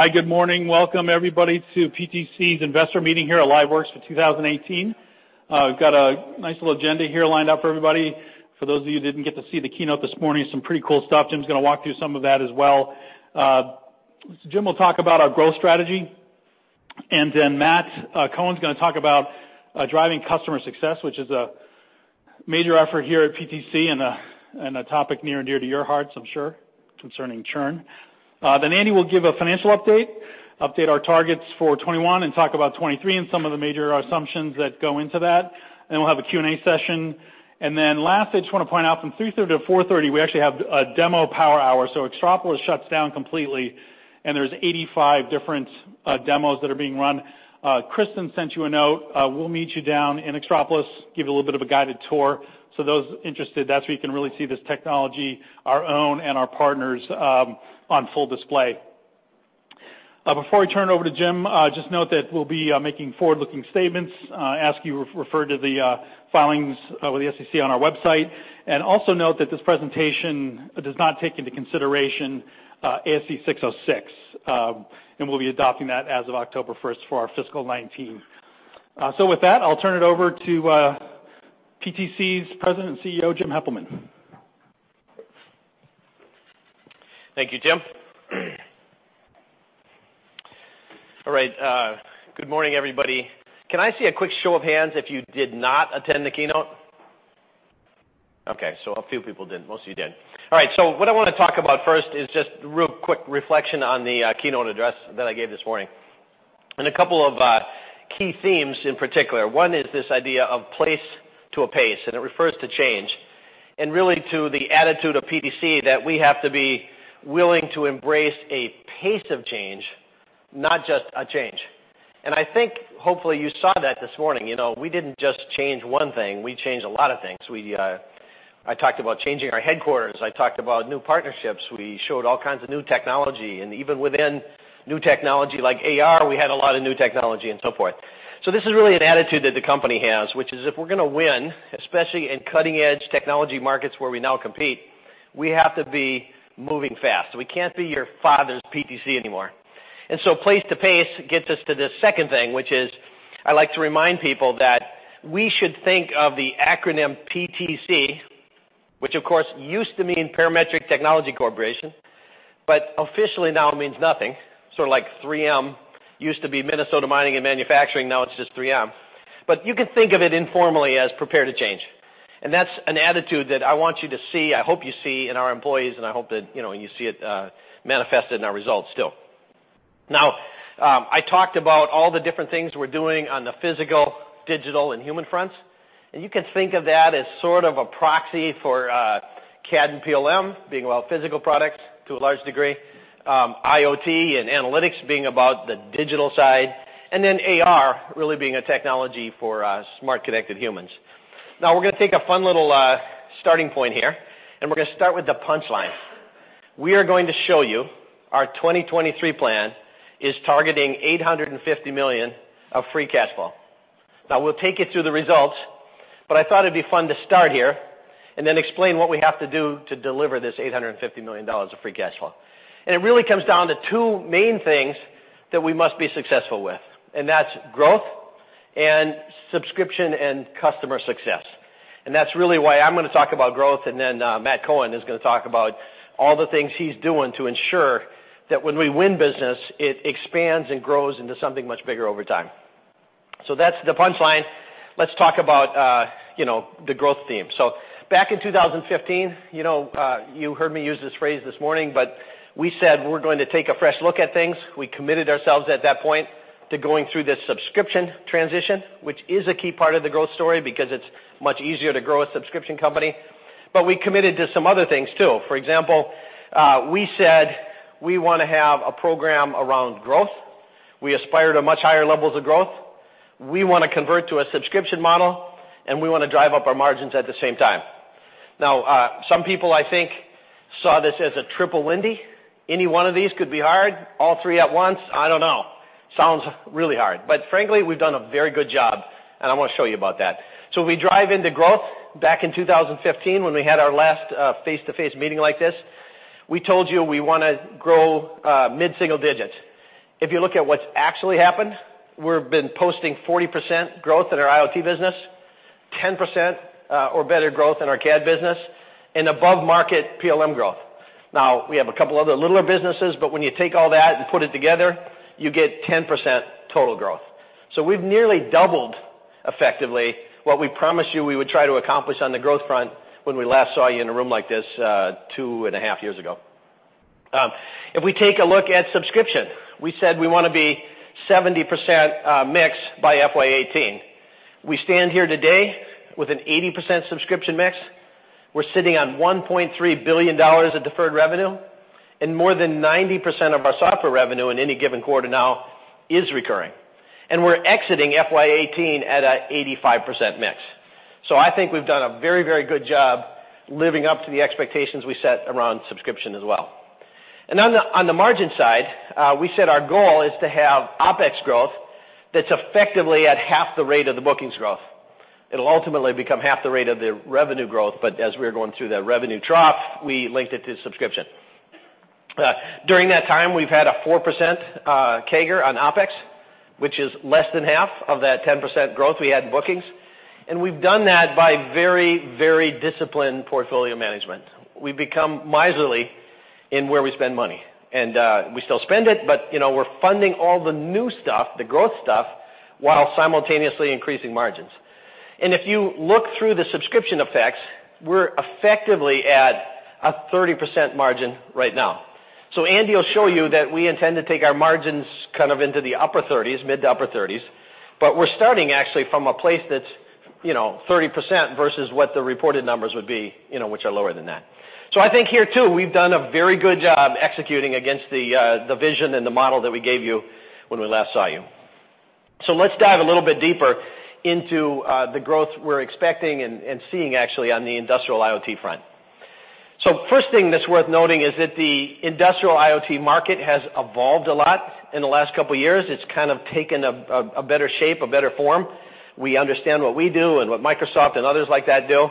Hi, good morning. Welcome, everybody, to PTC's investor meeting here at LiveWorx for 2018. We've got a nice little agenda here lined up for everybody. For those of you who didn't get to see the keynote this morning, some pretty cool stuff. Jim's going to walk through some of that as well. Jim will talk about our growth strategy. Matt Cohen's going to talk about driving customer success, which is a major effort here at PTC and a topic near and dear to your hearts, I'm sure, concerning churn. Andy will give a financial update our targets for 2021, and talk about 2023 and some of the major assumptions that go into that. We'll have a Q&A session. Last, I just want to point out, from 3:30 to 4:30 P.M., we actually have a demo power hour. Xtropolis shuts down completely, and there's 85 different demos that are being run. Kristen sent you a note. We'll meet you down in Xtropolis, give you a little bit of a guided tour. Those interested, that's where you can really see this technology, our own and our partners', on full display. Before we turn it over to Jim, just note that we'll be making forward-looking statements. Ask you refer to the filings with the SEC on our website. Note that this presentation does not take into consideration ASC 606, and we'll be adopting that as of October 1st for our fiscal 2019. With that, I'll turn it over to PTC's President and CEO, Jim Heppelmann. Thank you, Jim. All right. Good morning, everybody. Can I see a quick show of hands if you did not attend the keynote? A few people didn't. Most of you did. What I want to talk about first is just a real quick reflection on the keynote address that I gave this morning, and a couple of key themes in particular. One is this idea of place to a pace, and it refers to change, and really to the attitude of PTC that we have to be willing to embrace a pace of change, not just a change. I think hopefully you saw that this morning. We didn't just change one thing. We changed a lot of things. I talked about changing our headquarters. I talked about new partnerships. We showed all kinds of new technology. Even within new technology like AR, we had a lot of new technology and so forth. This is really an attitude that the company has, which is if we're going to win, especially in cutting-edge technology markets where we now compete, we have to be moving fast. We can't be your father's PTC anymore. Place to pace gets us to this second thing, which is I like to remind people that we should think of the acronym PTC, which of course, used to mean Parametric Technology Corporation, but officially now means nothing. Sort of like 3M used to be Minnesota Mining and Manufacturing, now it's just 3M. You can think of it informally as prepare to change. That's an attitude that I want you to see, I hope you see in our employees, and I hope that you see it manifested in our results still. I talked about all the different things we're doing on the physical, digital, and human fronts, and you can think of that as sort of a proxy for CAD and PLM being about physical products to a large degree, IoT and analytics being about the digital side, and then AR really being a technology for smart connected humans. We're going to take a fun little starting point here, and we're going to start with the punchline. We are going to show you our 2023 plan is targeting $850 million of free cash flow. We'll take you through the results, but I thought it'd be fun to start here and then explain what we have to do to deliver this $850 million of free cash flow. It really comes down to two main things that we must be successful with, and that's growth and subscription and customer success. That's really why I'm going to talk about growth, and then Matt Cohen is going to talk about all the things he's doing to ensure that when we win business, it expands and grows into something much bigger over time. That's the punchline. Let's talk about the growth theme. Back in 2015, you heard me use this phrase this morning, but we said we're going to take a fresh look at things. We committed ourselves at that point to going through this subscription transition, which is a key part of the growth story because it's much easier to grow a subscription company. We committed to some other things, too. For example, we said we want to have a program around growth. We aspire to much higher levels of growth. We want to convert to a subscription model, and we want to drive up our margins at the same time. Some people, I think, saw this as a triple windy. Any one of these could be hard. All three at once, I don't know. Sounds really hard. Frankly, we've done a very good job, and I want to show you about that. We drive into growth back in 2015 when we had our last face-to-face meeting like this. We told you we want to grow mid-single digits. If you look at what's actually happened, we've been posting 40% growth in our IoT business, 10% or better growth in our CAD business, and above-market PLM growth. We have a couple other littler businesses, but when you take all that and put it together, you get 10% total growth. We've nearly doubled effectively what we promised you we would try to accomplish on the growth front when we last saw you in a room like this two and a half years ago. If we take a look at subscription, we said we want to be 70% mix by FY 2018. We stand here today with an 80% subscription mix. We're sitting on $1.3 billion of deferred revenue, and more than 90% of our software revenue in any given quarter now is recurring. We're exiting FY 2018 at an 85% mix. I think we've done a very good job living up to the expectations we set around subscription as well. On the margin side, we said our goal is to have OpEx growth that's effectively at half the rate of the bookings growth. It'll ultimately become half the rate of the revenue growth, but as we are going through that revenue trough, we linked it to subscription. During that time, we've had a 4% CAGR on OpEx, which is less than half of that 10% growth we had in bookings. We've done that by very disciplined portfolio management. We've become miserly in where we spend money, and we still spend it, but we're funding all the new stuff, the growth stuff, while simultaneously increasing margins. If you look through the subscription effects, we're effectively at a 30% margin right now. Andy will show you that we intend to take our margins into the upper 30s, mid to upper 30s, but we're starting actually from a place that's 30% versus what the reported numbers would be, which are lower than that. I think here too, we've done a very good job executing against the vision and the model that we gave you when we last saw you. Let's dive a little bit deeper into the growth we're expecting and seeing actually on the industrial IoT front. First thing that's worth noting is that the industrial IoT market has evolved a lot in the last couple of years. It's kind of taken a better shape, a better form. We understand what we do and what Microsoft and others like that do.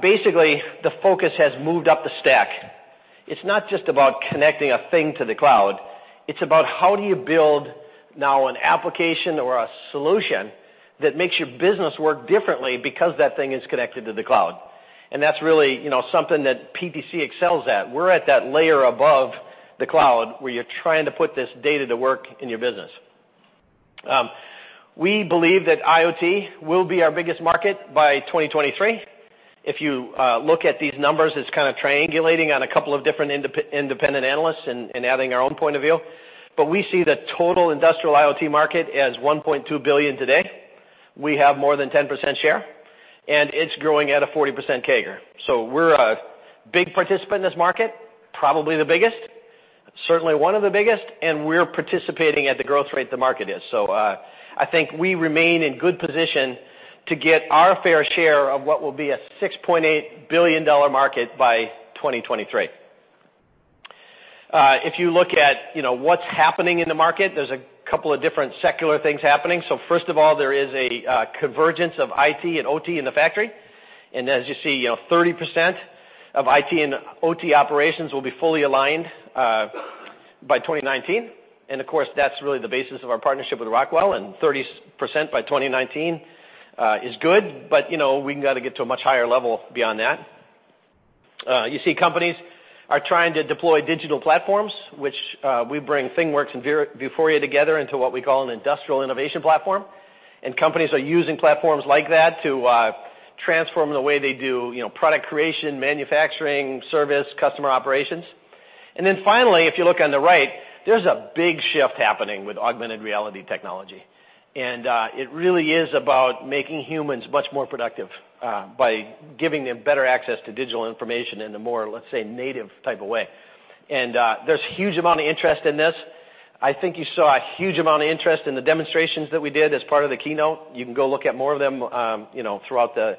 Basically, the focus has moved up the stack. It's not just about connecting a thing to the cloud, it's about how do you build now an application or a solution that makes your business work differently because that thing is connected to the cloud. That's really something that PTC excels at. We're at that layer above the cloud where you're trying to put this data to work in your business. We believe that IoT will be our biggest market by 2023. If you look at these numbers, it's kind of triangulating on a couple of different independent analysts and adding our own point of view, but we see the total industrial IoT market as $1.2 billion today. We have more than 10% share, and it's growing at a 40% CAGR. We're a big participant in this market, probably the biggest, certainly one of the biggest, and we're participating at the growth rate the market is. I think we remain in good position to get our fair share of what will be a $6.8 billion market by 2023. If you look at what's happening in the market, there's a couple of different secular things happening. First of all, there is a convergence of IT and OT in the factory. As you see, 30% of IT and OT operations will be fully aligned by 2019. Of course, that's really the basis of our partnership with Rockwell, and 30% by 2019 is good, but we got to get to a much higher level beyond that. You see companies are trying to deploy digital platforms, which we bring ThingWorx and Vuforia together into what we call an industrial innovation platform. Companies are using platforms like that to transform the way they do product creation, manufacturing, service, customer operations. Finally, if you look on the right, there's a big shift happening with augmented reality technology, and it really is about making humans much more productive by giving them better access to digital information in a more, let's say, native type of way. There's huge amount of interest in this. I think you saw a huge amount of interest in the demonstrations that we did as part of the keynote. You can go look at more of them throughout the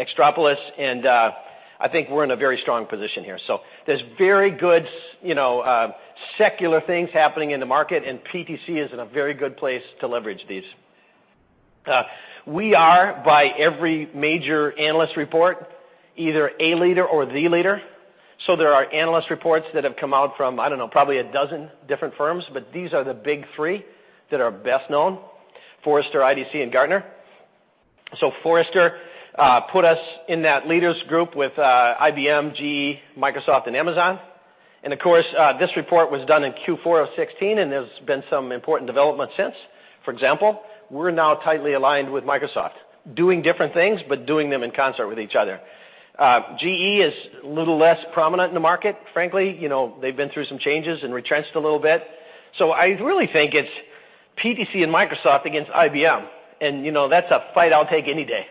Xtropolis, and I think we're in a very strong position here. There's very good secular things happening in the market, and PTC is in a very good place to leverage these. We are, by every major analyst report, either a leader or the leader. There are analyst reports that have come out from, I don't know, probably 12 different firms, but these are the big three that are best known, Forrester, IDC, and Gartner. Forrester put us in that leaders group with IBM, GE, Microsoft, and Amazon. Of course, this report was done in Q4 of 2016, and there's been some important developments since. For example, we're now tightly aligned with Microsoft, doing different things, but doing them in concert with each other. GE is a little less prominent in the market, frankly. They've been through some changes and retrenched a little bit. I really think it's PTC and Microsoft against IBM, and that's a fight I'll take any day.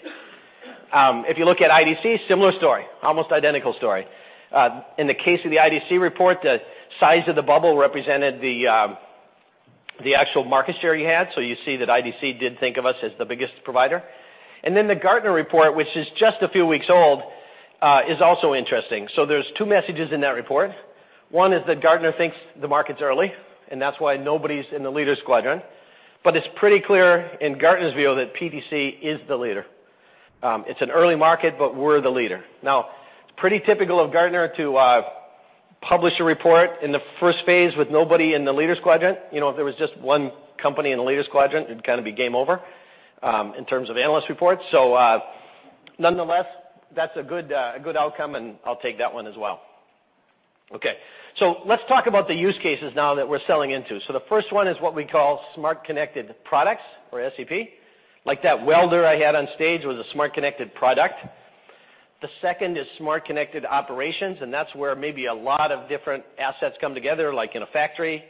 If you look at IDC, similar story, almost identical story. In the case of the IDC report, the size of the bubble represented the actual market share you had. You see that IDC did think of us as the biggest provider. The Gartner report, which is just a few weeks old, is also interesting. There's two messages in that report. One is that Gartner thinks the market's early, and that's why nobody's in the leaders quadrant, but it's pretty clear in Gartner's view that PTC is the leader. It's an early market, but we're the leader. Now, it's pretty typical of Gartner to publish a report in the first phase with nobody in the leaders quadrant. If there was just one company in the leaders quadrant, it'd kind of be game over in terms of analyst reports. Nonetheless, that's a good outcome, and I'll take that one as well. Okay, let's talk about the use cases now that we're selling into. The first one is what we call Smart Connected Products or SCP. Like that welder I had on stage was a smart connected product. The second is Smart Connected Operations, and that's where maybe a lot of different assets come together, like in a factory,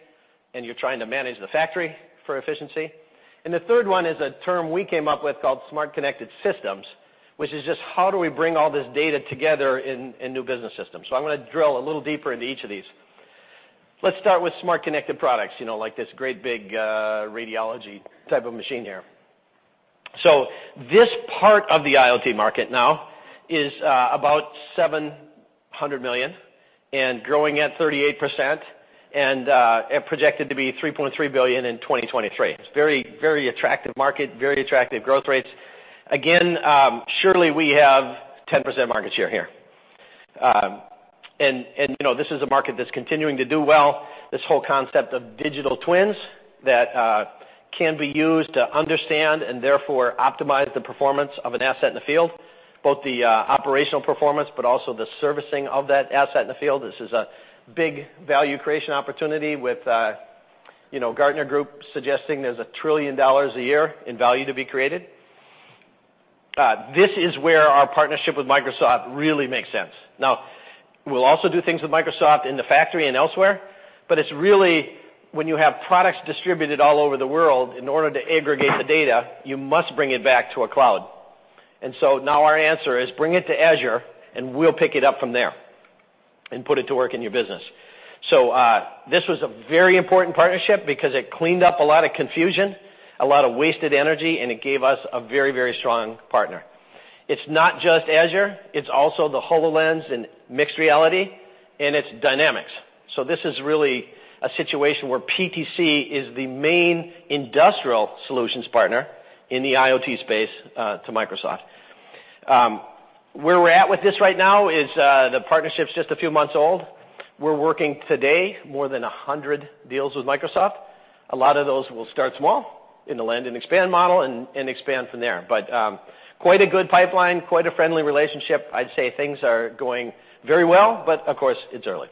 and you're trying to manage the factory for efficiency. The third one is a term we came up with called Smart Connected Systems, which is just how do we bring all this data together in new business systems? I'm going to drill a little deeper into each of these. Let's start with Smart Connected Products, like this great big radiology type of machine here. This part of the IoT market now is about $700 million and growing at 38%, and projected to be $3.3 billion in 2023. It's a very attractive market, very attractive growth rates. Surely we have 10% market share here. This is a market that's continuing to do well. This whole concept of digital twins that can be used to understand and therefore optimize the performance of an asset in the field, both the operational performance, but also the servicing of that asset in the field. This is a big value creation opportunity with Gartner suggesting there's $1 trillion a year in value to be created. This is where our partnership with Microsoft really makes sense. We'll also do things with Microsoft in the factory and elsewhere, but it's really when you have products distributed all over the world, in order to aggregate the data, you must bring it back to a cloud. Our answer is bring it to Azure, and we'll pick it up from there and put it to work in your business. This was a very important partnership because it cleaned up a lot of confusion, a lot of wasted energy, and it gave us a very strong partner. It's not just Azure, it's also the HoloLens and mixed reality, and it's Dynamics. This is really a situation where PTC is the main industrial solutions partner in the IoT space to Microsoft. Where we're at with this right now is the partnership's just a few months old. We're working today more than 100 deals with Microsoft. A lot of those will start small in the land and expand model and expand from there. Quite a good pipeline, quite a friendly relationship. I'd say things are going very well, but of course, it's early.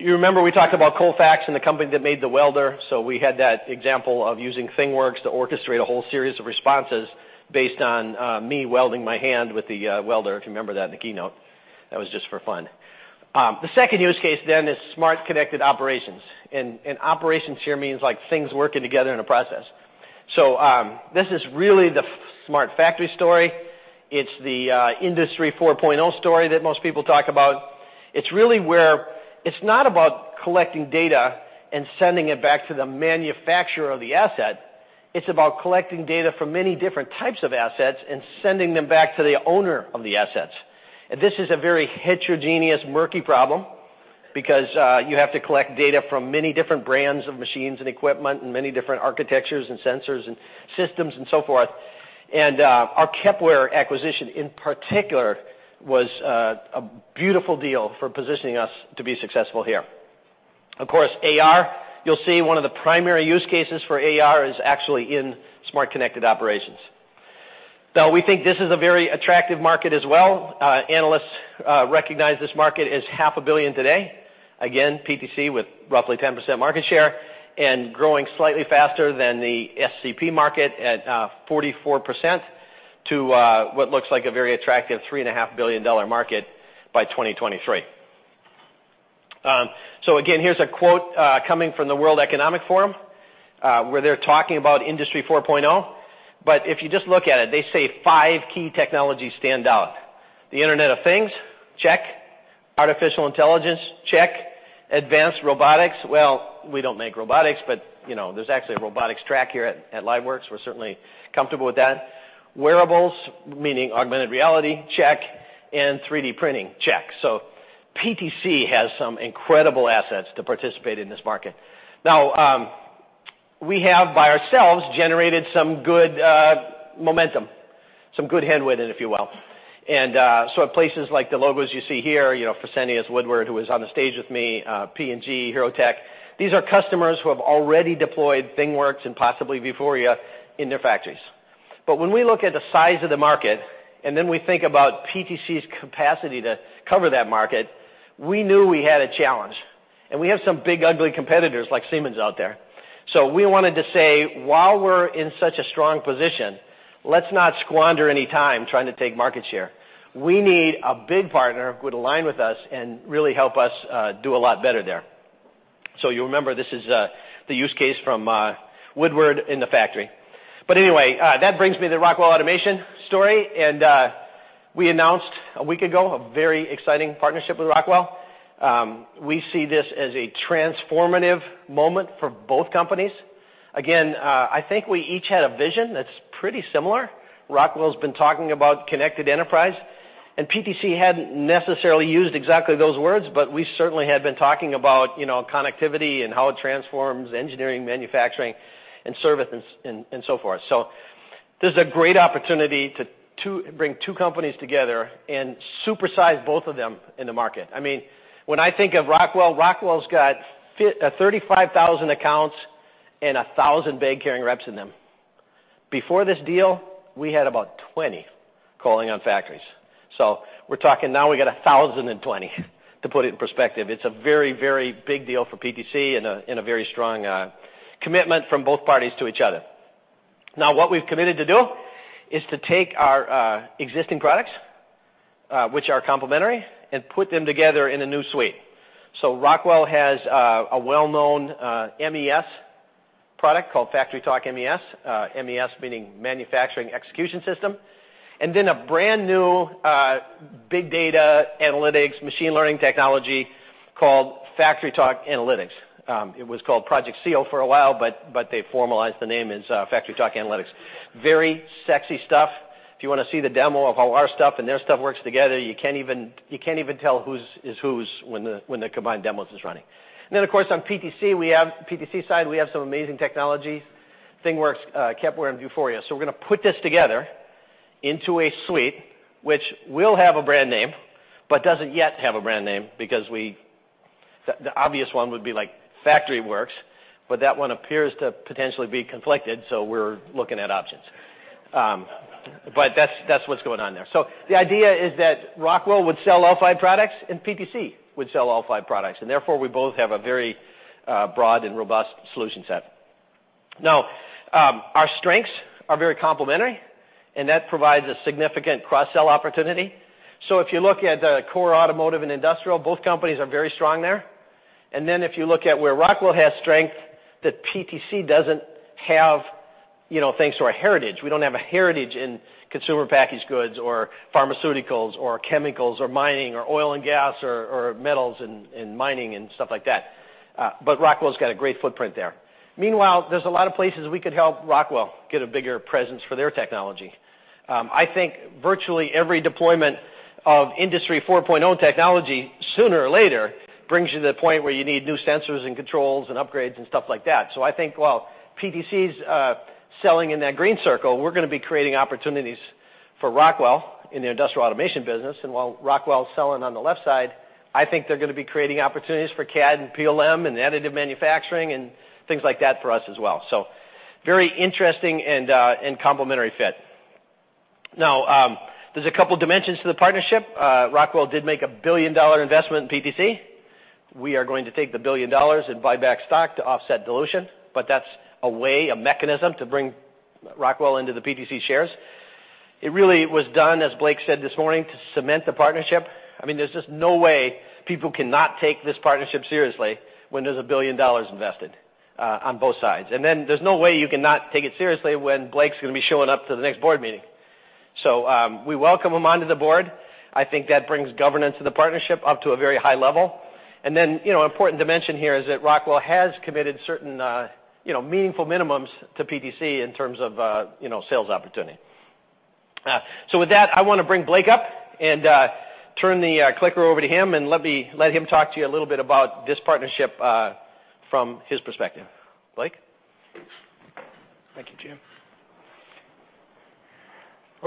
You remember we talked about Colfax and the company that made the welder, we had that example of using ThingWorx to orchestrate a whole series of responses based on me welding my hand with the welder, if you remember that in the keynote. That was just for fun. The second use case is Smart Connected Operations, and operations here means things working together in a process. This is really the smart factory story. It's the Industry 4.0 story that most people talk about. It's really where it's not about collecting data and sending it back to the manufacturer of the asset. It's about collecting data from many different types of assets and sending them back to the owner of the assets. This is a very heterogeneous, murky problem because you have to collect data from many different brands of machines and equipment and many different architectures and sensors and systems and so forth. Our Kepware acquisition in particular was a beautiful deal for positioning us to be successful here. Of course, AR, you'll see one of the primary use cases for AR is actually in Smart Connected Operations. We think this is a very attractive market as well. Analysts recognize this market as half a billion today. PTC with roughly 10% market share and growing slightly faster than the SCP market at 44% to what looks like a very attractive $3.5 billion market by 2023. Here's a quote coming from the World Economic Forum, where they're talking about Industry 4.0. If you just look at it, they say five key technologies stand out. The Internet of Things, check. Artificial intelligence, check. Advanced robotics, well, we don't make robotics, but there's actually a robotics track here at LiveWorx. We're certainly comfortable with that. Wearables, meaning augmented reality, check, and 3D printing, check. PTC has some incredible assets to participate in this market. We have by ourselves generated some good momentum, some good headwind, if you will. At places like the logos you see here, Fresenius, Woodward, who was on the stage with me, P&G, HIROTEC, these are customers who have already deployed ThingWorx and possibly Vuforia in their factories. When we look at the size of the market, and then we think about PTC's capacity to cover that market, we knew we had a challenge, and we have some big, ugly competitors like Siemens out there. We wanted to say, while we're in such a strong position, let's not squander any time trying to take market share. We need a big partner who would align with us and really help us do a lot better there. You'll remember, this is the use case from Woodward in the factory. Anyway, that brings me to the Rockwell Automation story. We announced a week ago a very exciting partnership with Rockwell. We see this as a transformative moment for both companies. Again, I think we each had a vision that's pretty similar. Rockwell's been talking about connected enterprise, and PTC hadn't necessarily used exactly those words, but we certainly had been talking about connectivity and how it transforms engineering, manufacturing, and service and so forth. This is a great opportunity to bring two companies together and supersize both of them in the market. When I think of Rockwell's got 35,000 accounts and 1,000 bag-carrying reps in them. Before this deal, we had about 20 calling on factories. We're talking now we got 1,020, to put it in perspective. It's a very big deal for PTC and a very strong commitment from both parties to each other. What we've committed to do is to take our existing products, which are complementary, and put them together in a new suite. Rockwell has a well-known MES product called FactoryTalk MES meaning manufacturing execution system, and then a brand-new big data analytics machine learning technology called FactoryTalk Analytics. It was called Project Scio for a while, but they formalized the name as FactoryTalk Analytics. Very sexy stuff. If you want to see the demo of how our stuff and their stuff works together, you can't even tell who's is who's when the combined demos is running. Of course, on PTC side, we have some amazing technologies, ThingWorx, Kepware, and Vuforia. We're going to put this together into a suite, which will have a brand name, but doesn't yet have a brand name because the obvious one would be FactoryWorks, but that one appears to potentially be conflicted, so we're looking at options. That's what's going on there. The idea is that Rockwell would sell all five products, and PTC would sell all five products. Therefore, we both have a very broad and robust solution set. Our strengths are very complementary, and that provides a significant cross-sell opportunity. If you look at the core automotive and industrial, both companies are very strong there. If you look at where Rockwell has strength, that PTC doesn't have, thanks to our heritage. We don't have a heritage in consumer packaged goods, or pharmaceuticals, or chemicals, or mining, or oil and gas, or metals and mining, and stuff like that. Rockwell's got a great footprint there. Meanwhile, there's a lot of places we could help Rockwell get a bigger presence for their technology. I think virtually every deployment of Industry 4.0 technology, sooner or later, brings you to the point where you need new sensors and controls and upgrades and stuff like that. I think while PTC's selling in that green circle, we're going to be creating opportunities for Rockwell in the industrial automation business. While Rockwell's selling on the left side, I think they're going to be creating opportunities for CAD and PLM and additive manufacturing and things like that for us as well. Very interesting and complementary fit. There's a couple dimensions to the partnership. Rockwell did make a billion-dollar investment in PTC. We are going to take the $1 billion and buy back stock to offset dilution, but that's a way, a mechanism to bring Rockwell into the PTC shares. It really was done, as Blake said this morning, to cement the partnership. There's just no way people cannot take this partnership seriously when there's $1 billion invested on both sides. There's no way you cannot take it seriously when Blake's going to be showing up to the next board meeting. We welcome him onto the board. I think that brings governance to the partnership up to a very high level. Important dimension here is that Rockwell has committed certain meaningful minimums to PTC in terms of sales opportunity. With that, I want to bring Blake up and turn the clicker over to him and let him talk to you a little bit about this partnership from his perspective. Blake. Thank you, Jim.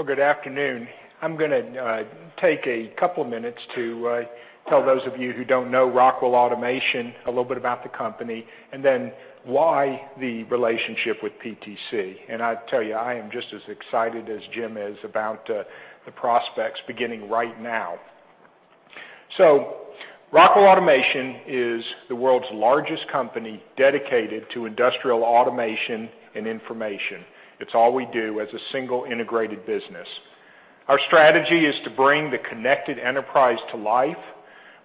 Good afternoon. I'm going to take a couple minutes to tell those of you who don't know Rockwell Automation a little bit about the company, and then why the relationship with PTC. I tell you, I am just as excited as Jim is about the prospects beginning right now. Rockwell Automation is the world's largest company dedicated to industrial automation and information. It's all we do as a single integrated business. Our strategy is to bring the connected enterprise to life.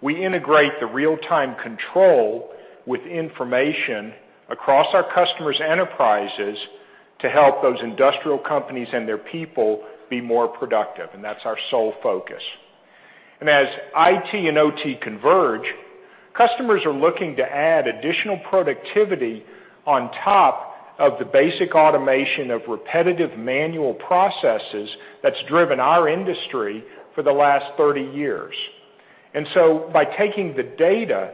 We integrate the real-time control with information across our customers' enterprises to help those industrial companies and their people be more productive, and that's our sole focus. As IT and OT converge, customers are looking to add additional productivity on top of the basic automation of repetitive manual processes that's driven our industry for the last 30 years. By taking the data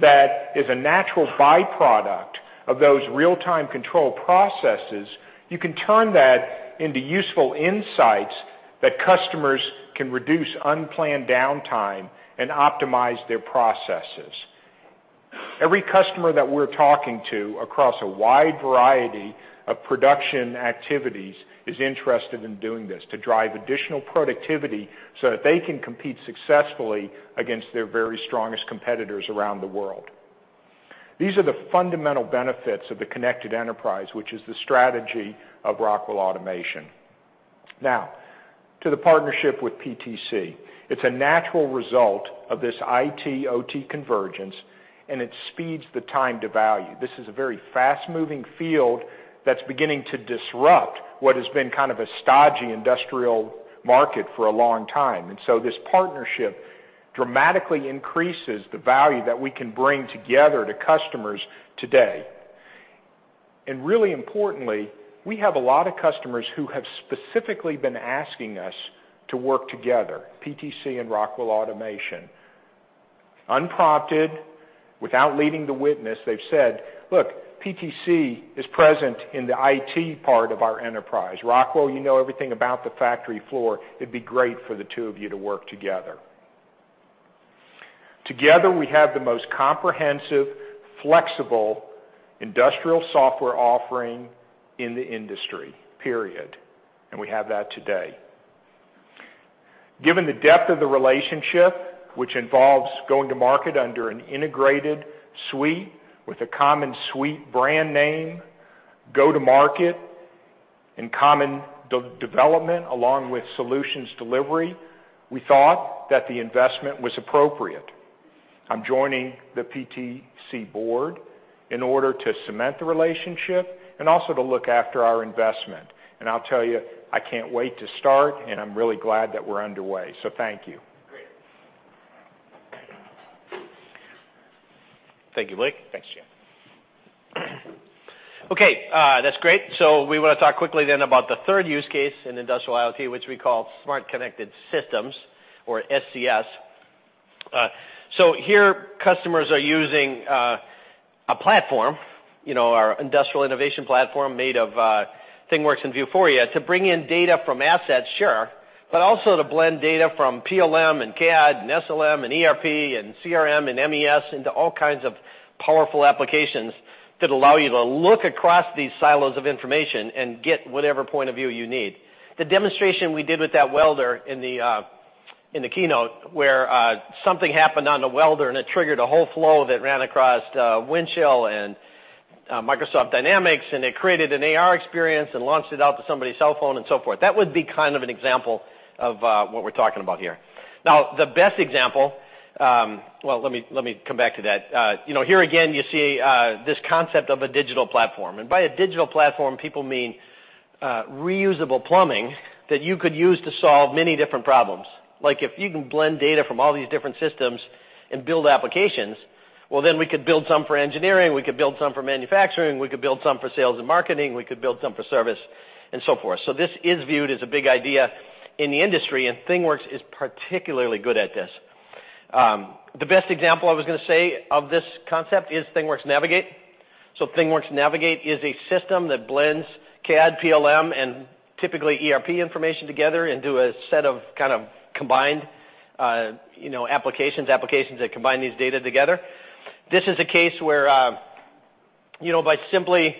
that is a natural byproduct of those real-time control processes, you can turn that into useful insights that customers can reduce unplanned downtime and optimize their processes. Every customer that we're talking to across a wide variety of production activities is interested in doing this to drive additional productivity so that they can compete successfully against their very strongest competitors around the world. These are the fundamental benefits of the connected enterprise, which is the strategy of Rockwell Automation. Now, to the partnership with PTC. It's a natural result of this IT/OT convergence, and it speeds the time to value. This is a very fast-moving field that's beginning to disrupt what has been kind of a stodgy industrial market for a long time. This partnership dramatically increases the value that we can bring together to customers today. Really importantly, we have a lot of customers who have specifically been asking us to work together, PTC and Rockwell Automation. Unprompted, without leading the witness, they've said, "Look, PTC is present in the IT part of our enterprise. Rockwell, you know everything about the factory floor. It'd be great for the two of you to work together." Together, we have the most comprehensive, flexible industrial software offering in the industry, period. We have that today. Given the depth of the relationship, which involves going to market under an integrated suite with a common suite brand name, go to market in common development along with solutions delivery, we thought that the investment was appropriate. I'm joining the PTC board. In order to cement the relationship, and also to look after our investment. I'll tell you, I can't wait to start, and I'm really glad that we're underway. Thank you. Great. Thank you, Blake. Thanks, Jim. Okay. That's great. We want to talk quickly about the third use case in industrial IoT, which we call Smart Connected Systems or SCS. Here, customers are using a platform, our industrial innovation platform made of ThingWorx and Vuforia, to bring in data from assets, sure, but also to blend data from PLM and CAD and SLM and ERP and CRM and MES into all kinds of powerful applications that allow you to look across these silos of information and get whatever point of view you need. The demonstration we did with that welder in the keynote, where something happened on the welder, and it triggered a whole flow that ran across Windchill and Microsoft Dynamics, and it created an AR experience and launched it out to somebody's cell phone and so forth. That would be kind of an example of what we're talking about here. Now, the best example-- well, let me come back to that. Here again, you see this concept of a digital platform. By a digital platform, people mean reusable plumbing that you could use to solve many different problems. Like, if you can blend data from all these different systems and build applications, well, we could build some for engineering, we could build some for manufacturing, we could build some for sales and marketing, we could build some for service, and so forth. This is viewed as a big idea in the industry, and ThingWorx is particularly good at this. The best example I was going to say of this concept is ThingWorx Navigate. ThingWorx Navigate is a system that blends CAD, PLM, and typically ERP information together into a set of kind of combined applications that combine these data together. This is a case where by simply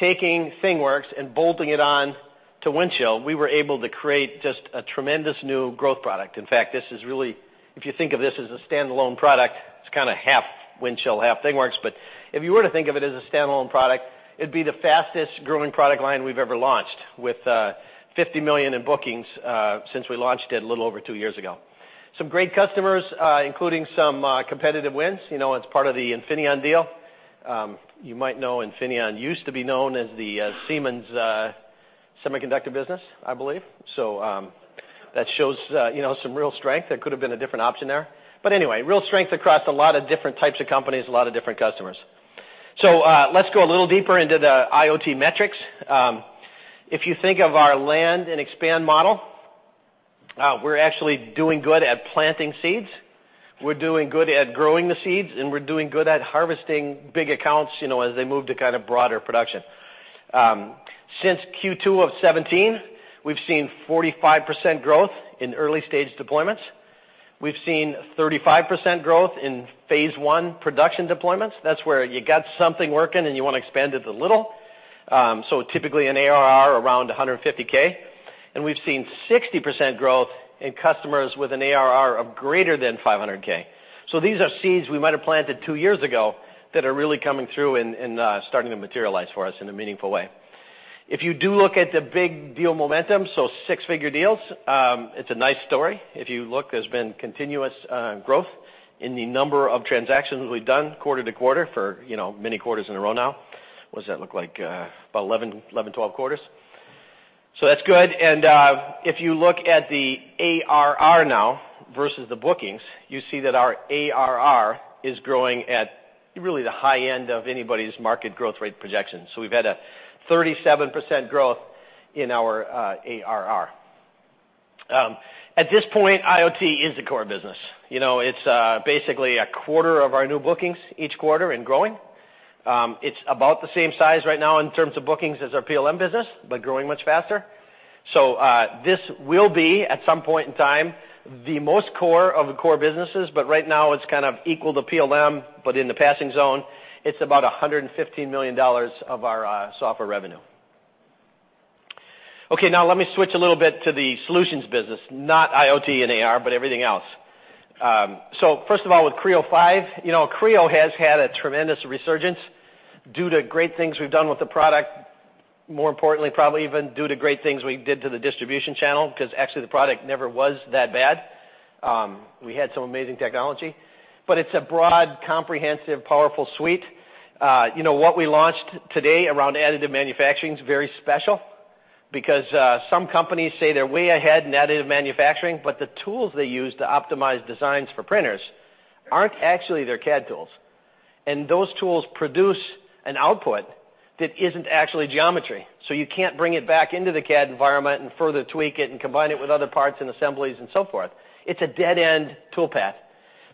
taking ThingWorx and bolting it on to Windchill, we were able to create just a tremendous new growth product. In fact, if you think of this as a standalone product, it's kind of half Windchill, half ThingWorx. If you were to think of it as a standalone product, it'd be the fastest-growing product line we've ever launched, with $50 million in bookings since we launched it a little over two years ago. Some great customers including some competitive wins. It's part of the Infineon deal. You might know Infineon used to be known as the Siemens semiconductor business, I believe. That shows some real strength. That could have been a different option there. Anyway, real strength across a lot of different types of companies, a lot of different customers. Let's go a little deeper into the IoT metrics. If you think of our land and expand model, we're actually doing good at planting seeds. We're doing good at growing the seeds, and we're doing good at harvesting big accounts as they move to kind of broader production. Since Q2 of 2017, we've seen 45% growth in early-stage deployments. We've seen 35% growth in phase 1 production deployments. That's where you got something working, and you want to expand it a little. Typically, an ARR around $150K. We've seen 60% growth in customers with an ARR of greater than $500K. These are seeds we might have planted two years ago that are really coming through and starting to materialize for us in a meaningful way. If you do look at the big deal momentum, six-figure deals, it's a nice story. If you look, there's been continuous growth in the number of transactions we've done quarter to quarter for many quarters in a row now. What does that look like? About 11, 12 quarters. That's good. If you look at the ARR now versus the bookings, you see that our ARR is growing at really the high end of anybody's market growth rate projection. We've had a 37% growth in our ARR. At this point, IoT is the core business. It's basically a quarter of our new bookings each quarter and growing. It's about the same size right now in terms of bookings as our PLM business, but growing much faster. This will be, at some point in time, the most core of the core businesses. Right now, it's kind of equal to PLM, but in the passing zone. It's about $115 million of our software revenue. Okay. Let me switch a little bit to the solutions business, not IoT and AR, but everything else. First of all, with Creo 5, Creo has had a tremendous resurgence due to great things we've done with the product. More importantly, probably even due to great things we did to the distribution channel because actually the product never was that bad. We had some amazing technology. It's a broad, comprehensive, powerful suite. What we launched today around additive manufacturing is very special because some companies say they're way ahead in additive manufacturing, but the tools they use to optimize designs for printers aren't actually their CAD tools. Those tools produce an output that isn't actually geometry, so you can't bring it back into the CAD environment and further tweak it and combine it with other parts and assemblies and so forth. It's a dead-end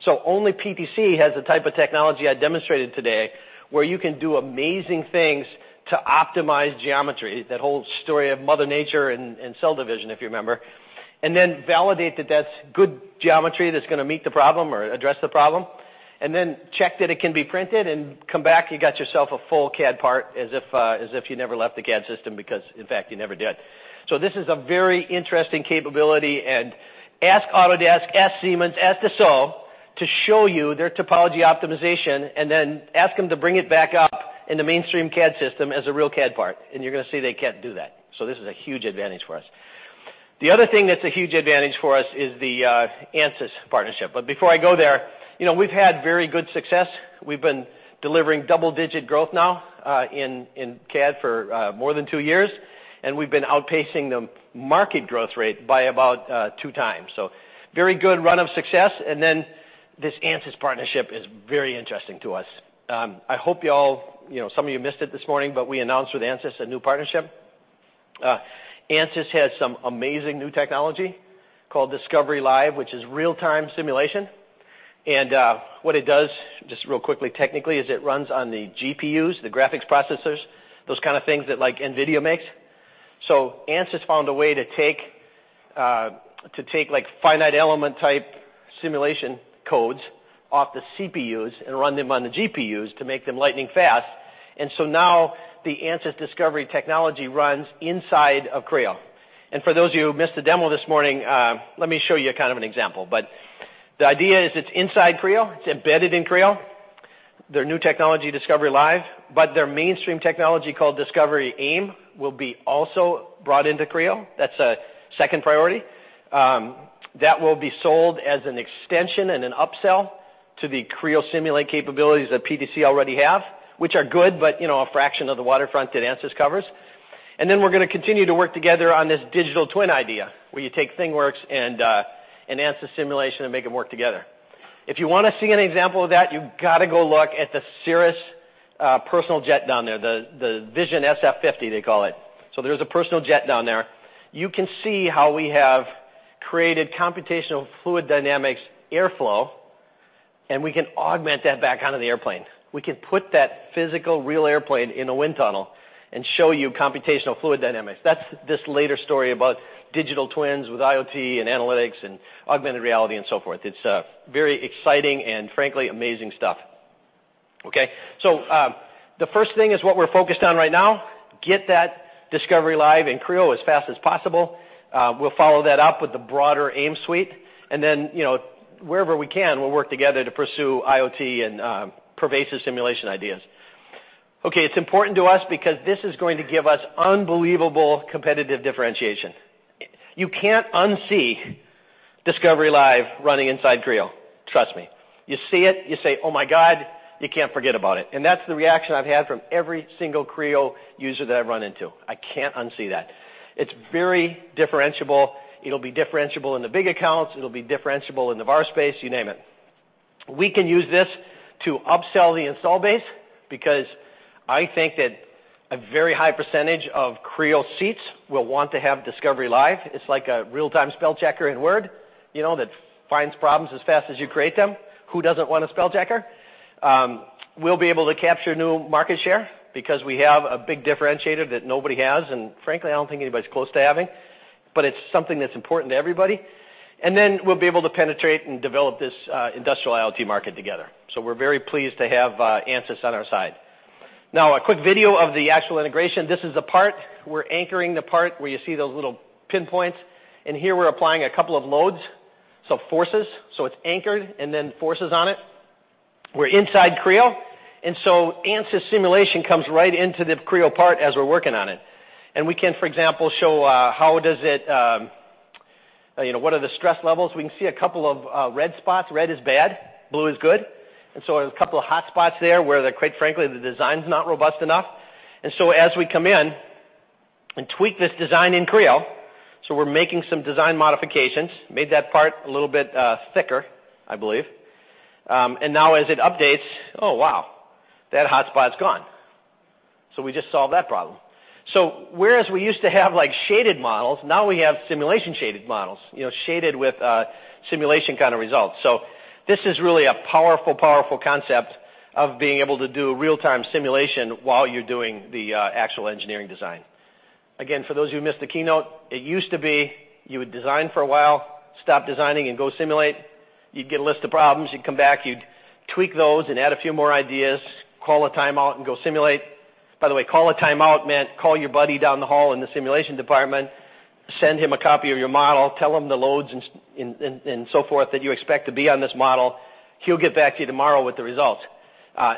tool path. Only PTC has the type of technology I demonstrated today, where you can do amazing things to optimize geometry, that whole story of mother nature and cell division, if you remember, and then validate that that's good geometry that's going to meet the problem or address the problem, and then check that it can be printed and come back, you got yourself a full CAD part as if you never left the CAD system because, in fact, you never did. This is a very interesting capability. Ask Autodesk, ask Siemens, ask Dassault to show you their topology optimization, and then ask them to bring it back up in the mainstream CAD system as a real CAD part, and you're going to see they can't do that. This is a huge advantage for us. The other thing that's a huge advantage for us is the Ansys partnership. Before I go there, we've had very good success. We've been delivering double-digit growth now in CAD for more than 2 years, and we've been outpacing the market growth rate by about 2 times. A very good run of success, and then this Ansys partnership is very interesting to us. I hope some of you missed it this morning, but we announced with Ansys, a new partnership. Ansys has some amazing new technology called Discovery Live, which is real-time simulation. What it does, just real quickly, technically, is it runs on the GPUs, the graphics processors, those kind of things that NVIDIA makes. Ansys found a way to take finite element type simulation codes off the CPUs and run them on the GPUs to make them lightning-fast. Now the Ansys Discovery technology runs inside of Creo. For those of you who missed the demo this morning, let me show you an example. The idea is it's inside Creo. It's embedded in Creo, their new technology, Discovery Live. Their mainstream technology, called Discovery AIM, will be also brought into Creo. That's a second priority. That will be sold as an extension and an upsell to the Creo Simulate capabilities that PTC already have, which are good, but a fraction of the waterfront that Ansys covers. Then we're going to continue to work together on this digital twin idea, where you take ThingWorx and Ansys simulation and make them work together. If you want to see an example of that, you've got to go look at the Cirrus personal jet down there, the Vision SF50, they call it. There's a personal jet down there. You can see how we have created computational fluid dynamics airflow, and we can augment that back onto the airplane. We can put that physical, real airplane in a wind tunnel and show you computational fluid dynamics. That's this later story about digital twins with IoT and analytics and augmented reality and so forth. It's very exciting and, frankly, amazing stuff. Okay. The first thing is what we're focused on right now, get that Discovery Live in Creo as fast as possible. We'll follow that up with the broader AIM suite, wherever we can, we'll work together to pursue IoT and pervasive simulation ideas. Okay, it's important to us because this is going to give us unbelievable competitive differentiation. You can't unsee Discovery Live running inside Creo, trust me. You see it, you say, "Oh my God," you can't forget about it. That's the reaction I've had from every single Creo user that I've run into. I can't unsee that. It's very differentiable. It'll be differentiable in the big accounts. It'll be differentiable in the VAR space, you name it. We can use this to upsell the install base because I think that a very high percentage of Creo seats will want to have Discovery Live. It's like a real-time spellchecker in Word that finds problems as fast as you create them. Who doesn't want a spellchecker? We'll be able to capture new market share because we have a big differentiator that nobody has, frankly, I don't think anybody's close to having, but it's something that's important to everybody. We'll be able to penetrate and develop this industrial IoT market together. We're very pleased to have Ansys on our side. A quick video of the actual integration. This is the part. We're anchoring the part where you see those little pinpoints. Here we're applying a couple of loads. Forces. It's anchored, then forces on it. We're inside Creo, Ansys simulation comes right into the Creo part as we're working on it. We can, for example, show what are the stress levels. We can see a couple of red spots. Red is bad, blue is good. There's a couple of hotspots there where, quite frankly, the design's not robust enough. As we come in and tweak this design in Creo, we're making some design modifications, made that part a little bit thicker, I believe. As it updates, oh, wow, that hotspot's gone. We just solved that problem. Whereas we used to have shaded models, now we have simulation-shaded models. Shaded with simulation kind of results. This is really a powerful concept of being able to do real-time simulation while you're doing the actual engineering design. Again, for those who missed the keynote, it used to be you would design for a while, stop designing and go simulate. You'd get a list of problems, you'd come back, you'd tweak those and add a few more ideas, call a timeout, and go simulate. By the way, call a timeout meant call your buddy down the hall in the simulation department, send him a copy of your model, tell him the loads and so forth that you expect to be on this model. He'll get back to you tomorrow with the results.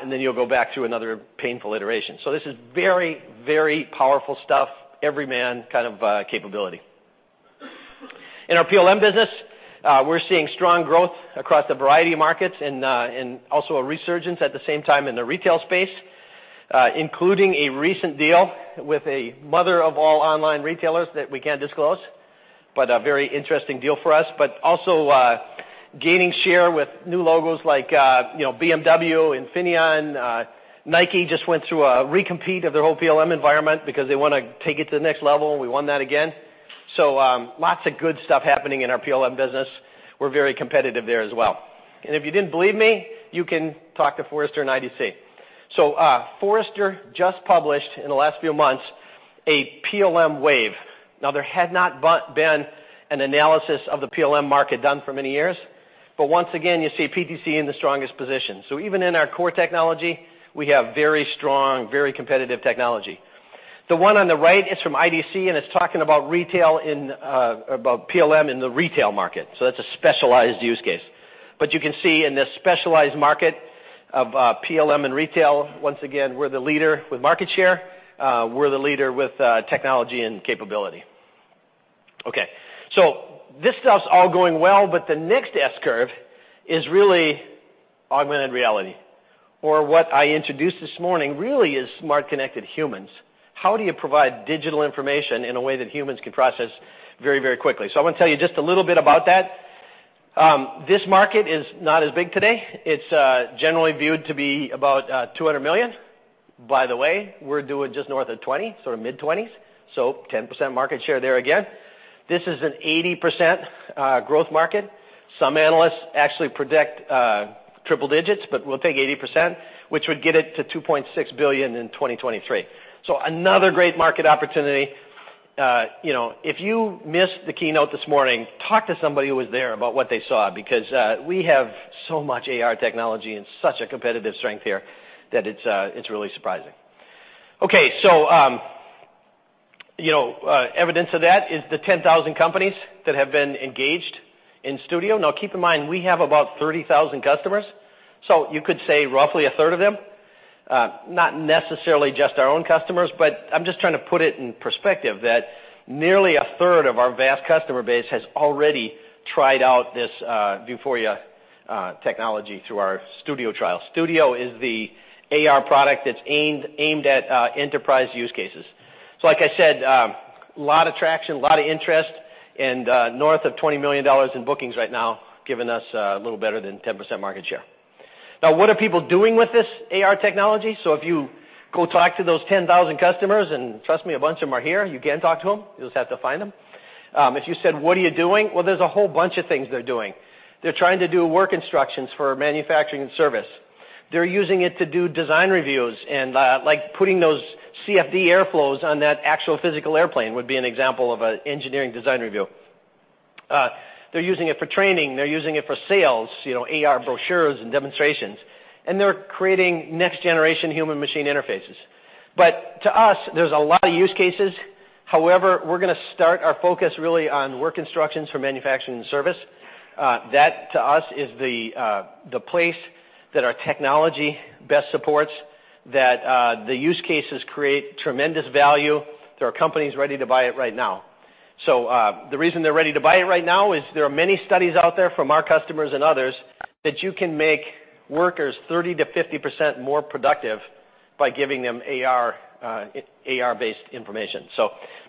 You'll go back through another painful iteration. This is very, very powerful stuff. Every man kind of capability. In our PLM business, we're seeing strong growth across a variety of markets and also a resurgence at the same time in the retail space, including a recent deal with a mother of all online retailers that we can't disclose, but a very interesting deal for us. Also gaining share with new logos like BMW, Infineon. Nike just went through a recompete of their whole PLM environment because they want to take it to the next level. We won that again. Lots of good stuff happening in our PLM business. We're very competitive there as well. If you didn't believe me, you can talk to Forrester and IDC. Forrester just published in the last few months a PLM wave. There had not been an analysis of the PLM market done for many years, once again, you see PTC in the strongest position. Even in our core technology, we have very strong, very competitive technology. The one on the right is from IDC, it's talking about PLM in the retail market. That's a specialized use case. You can see in this specialized market of PLM and retail, once again, we're the leader with market share. We're the leader with technology and capability. The next S-curve is really augmented reality. What I introduced this morning really is Smart Connected Humans. How do you provide digital information in a way that humans can process very quickly? I want to tell you just a little bit about that. This market is not as big today. It's generally viewed to be about $200 million. By the way, we're doing just north of $20 million, sort of mid-$20 million, so 10% market share there again. This is an 80% growth market. Some analysts actually predict triple digits, but we'll take 80%, which would get it to $2.6 billion in 2023. Another great market opportunity. If you missed the keynote this morning, talk to somebody who was there about what they saw, because we have so much AR technology and such a competitive strength here that it's really surprising. Evidence of that is the 10,000 companies that have been engaged in Studio. Keep in mind, we have about 30,000 customers, so you could say roughly a third of them. Not necessarily just our own customers, but I'm just trying to put it in perspective that nearly a third of our vast customer base has already tried out this Vuforia technology through our Studio trial. Studio is the AR product that's aimed at enterprise use cases. Like I said, a lot of traction, a lot of interest, and north of $20 million in bookings right now, giving us a little better than 10% market share. What are people doing with this AR technology? If you go talk to those 10,000 customers, and trust me, a bunch of them are here. You can talk to them. You'll just have to find them. If you said, "What are you doing?" Well, there's a whole bunch of things they're doing. They're trying to do work instructions for manufacturing and service. They're using it to do design reviews and like putting those CFD air flows on that actual physical airplane would be an example of an engineering design review. They're using it for training. They're using it for sales, AR brochures, and demonstrations. They're creating next-generation human machine interfaces. To us, there's a lot of use cases. However, we're going to start our focus really on work instructions for manufacturing and service. That, to us, is the place that our technology best supports, that the use cases create tremendous value. There are companies ready to buy it right now. The reason they're ready to buy it right now is there are many studies out there from our customers and others that you can make workers 30%-50% more productive by giving them AR-based information.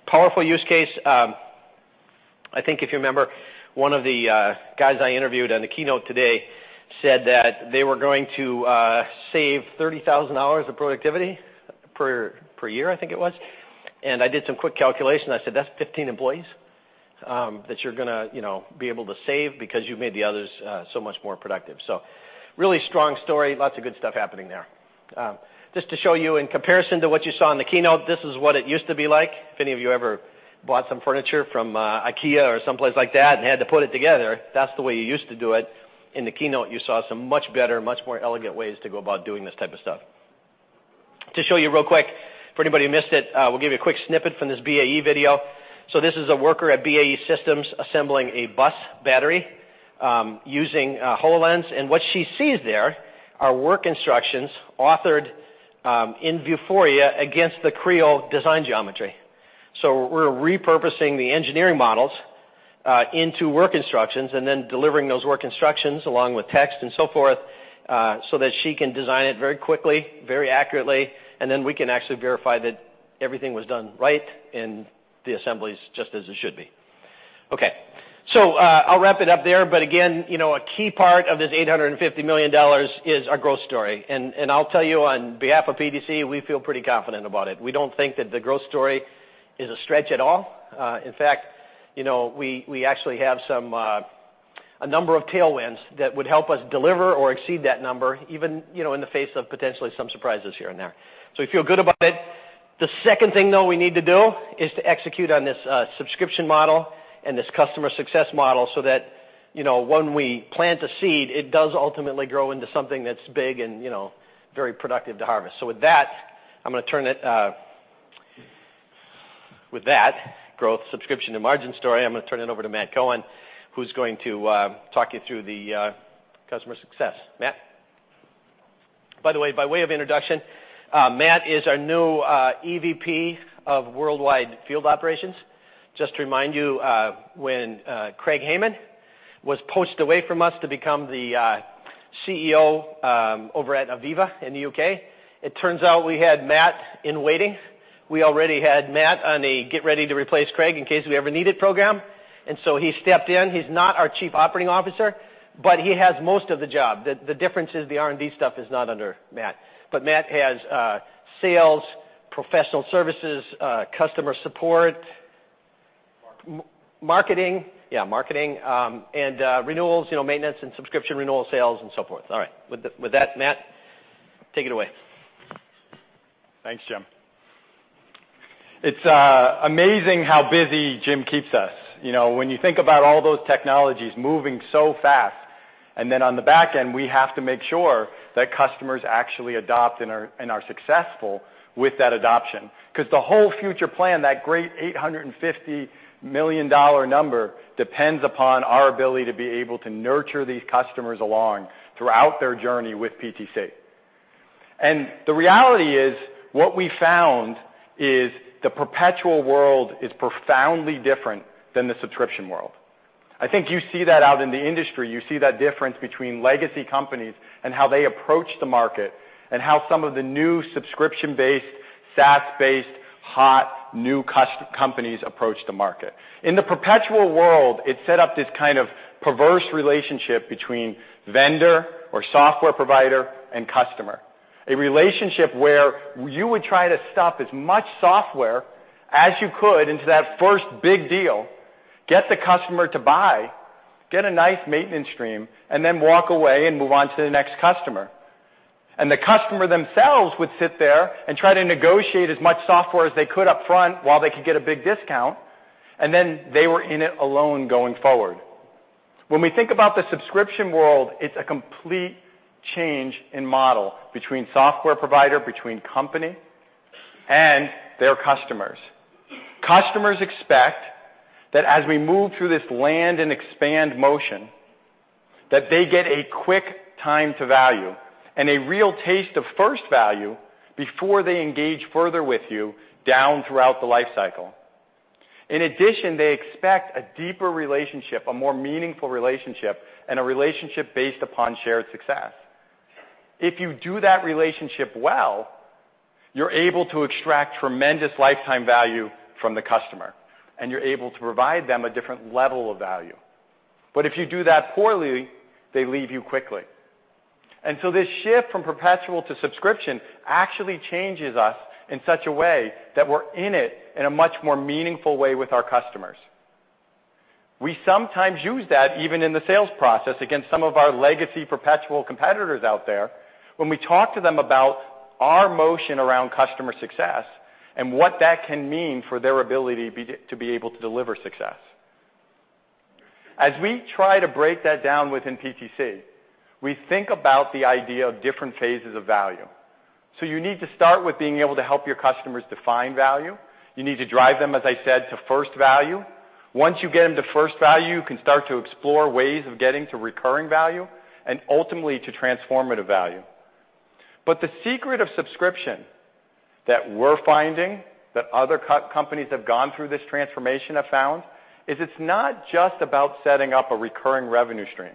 Powerful use case. I think if you remember, one of the guys I interviewed on the keynote today said that they were going to save 30,000 hours of productivity per year, I think it was, and I did some quick calculation. I said, "That's 15 employees that you're going to be able to save because you've made the others so much more productive." Really strong story. Lots of good stuff happening there. Just to show you in comparison to what you saw in the keynote, this is what it used to be like. If any of you ever bought some furniture from IKEA or someplace like that and had to put it together, that's the way you used to do it. In the keynote, you saw some much better, much more elegant ways to go about doing this type of stuff. To show you real quick, for anybody who missed it, we'll give you a quick snippet from this BAE video. This is a worker at BAE Systems assembling a bus battery using HoloLens. What she sees there are work instructions authored in Vuforia against the Creo design geometry. We're repurposing the engineering models into work instructions and then delivering those work instructions along with text and so forth, so that she can design it very quickly, very accurately, and then we can actually verify that everything was done right and the assembly's just as it should be. Okay, I'll wrap it up there. Again, a key part of this $850 million is our growth story. I'll tell you on behalf of PTC, we feel pretty confident about it. We don't think that the growth story is a stretch at all. In fact, we actually have a number of tailwinds that would help us deliver or exceed that number, even in the face of potentially some surprises here and there. We feel good about it. The second thing, though, we need to do is to execute on this subscription model and this customer success model so that when we plant a seed, it does ultimately grow into something that's big and very productive to harvest. With that, growth subscription to margin story, I'm going to turn it over to Matt Cohen, who's going to talk you through the customer success. Matt? By the way, by way of introduction, Matt is our new EVP of Worldwide Field Operations. Just to remind you, when Craig Hayman was poached away from us to become the CEO over at AVEVA in the U.K., it turns out we had Matt in waiting. We already had Matt on a get-ready-to-replace-Craig-in-case-we-ever-need-it program, he stepped in. He's not our Chief Operating Officer, but he has most of the job. The difference is the R&D stuff is not under Matt. Matt has sales, professional services, customer support- Marketing Marketing, yeah, and renewals, maintenance and subscription renewal sales, and so forth. All right. With that, Matt, take it away. Thanks, Jim. It's amazing how busy Jim keeps us. When you think about all those technologies moving so fast, then on the back end, we have to make sure that customers actually adopt and are successful with that adoption. Because the whole future plan, that great $850 million number, depends upon our ability to be able to nurture these customers along throughout their journey with PTC. The reality is, what we found is the perpetual world is profoundly different than the subscription world. I think you see that out in the industry. You see that difference between legacy companies and how they approach the market, and how some of the new subscription-based, SaaS-based, hot, new companies approach the market. In the perpetual world, it set up this kind of perverse relationship between vendor or software provider and customer. A relationship where you would try to stuff as much software as you could into that first big deal, get the customer to buy, get a nice maintenance stream, then walk away and move on to the next customer. The customer themselves would sit there and try to negotiate as much software as they could up front while they could get a big discount, then they were in it alone going forward. When we think about the subscription world, it's a complete change in model between software provider, between company, and their customers. Customers expect that as we move through this land and expand motion, that they get a quick time to value and a real taste of first value before they engage further with you down throughout the life cycle. In addition, they expect a deeper relationship, a more meaningful relationship, and a relationship based upon shared success. If you do that relationship well, you're able to extract tremendous lifetime value from the customer, and you're able to provide them a different level of value. If you do that poorly, they leave you quickly. This shift from perpetual to subscription actually changes us in such a way that we're in it in a much more meaningful way with our customers. We sometimes use that even in the sales process against some of our legacy perpetual competitors out there when we talk to them about our motion around customer success and what that can mean for their ability to be able to deliver success. We try to break that down within PTC, we think about the idea of different phases of value. You need to start with being able to help your customers define value. You need to drive them, as I said, to first value. Once you get them to first value, you can start to explore ways of getting to recurring value and ultimately to transformative value. The secret of subscription that we're finding, that other companies that have gone through this transformation have found, is it's not just about setting up a recurring revenue stream.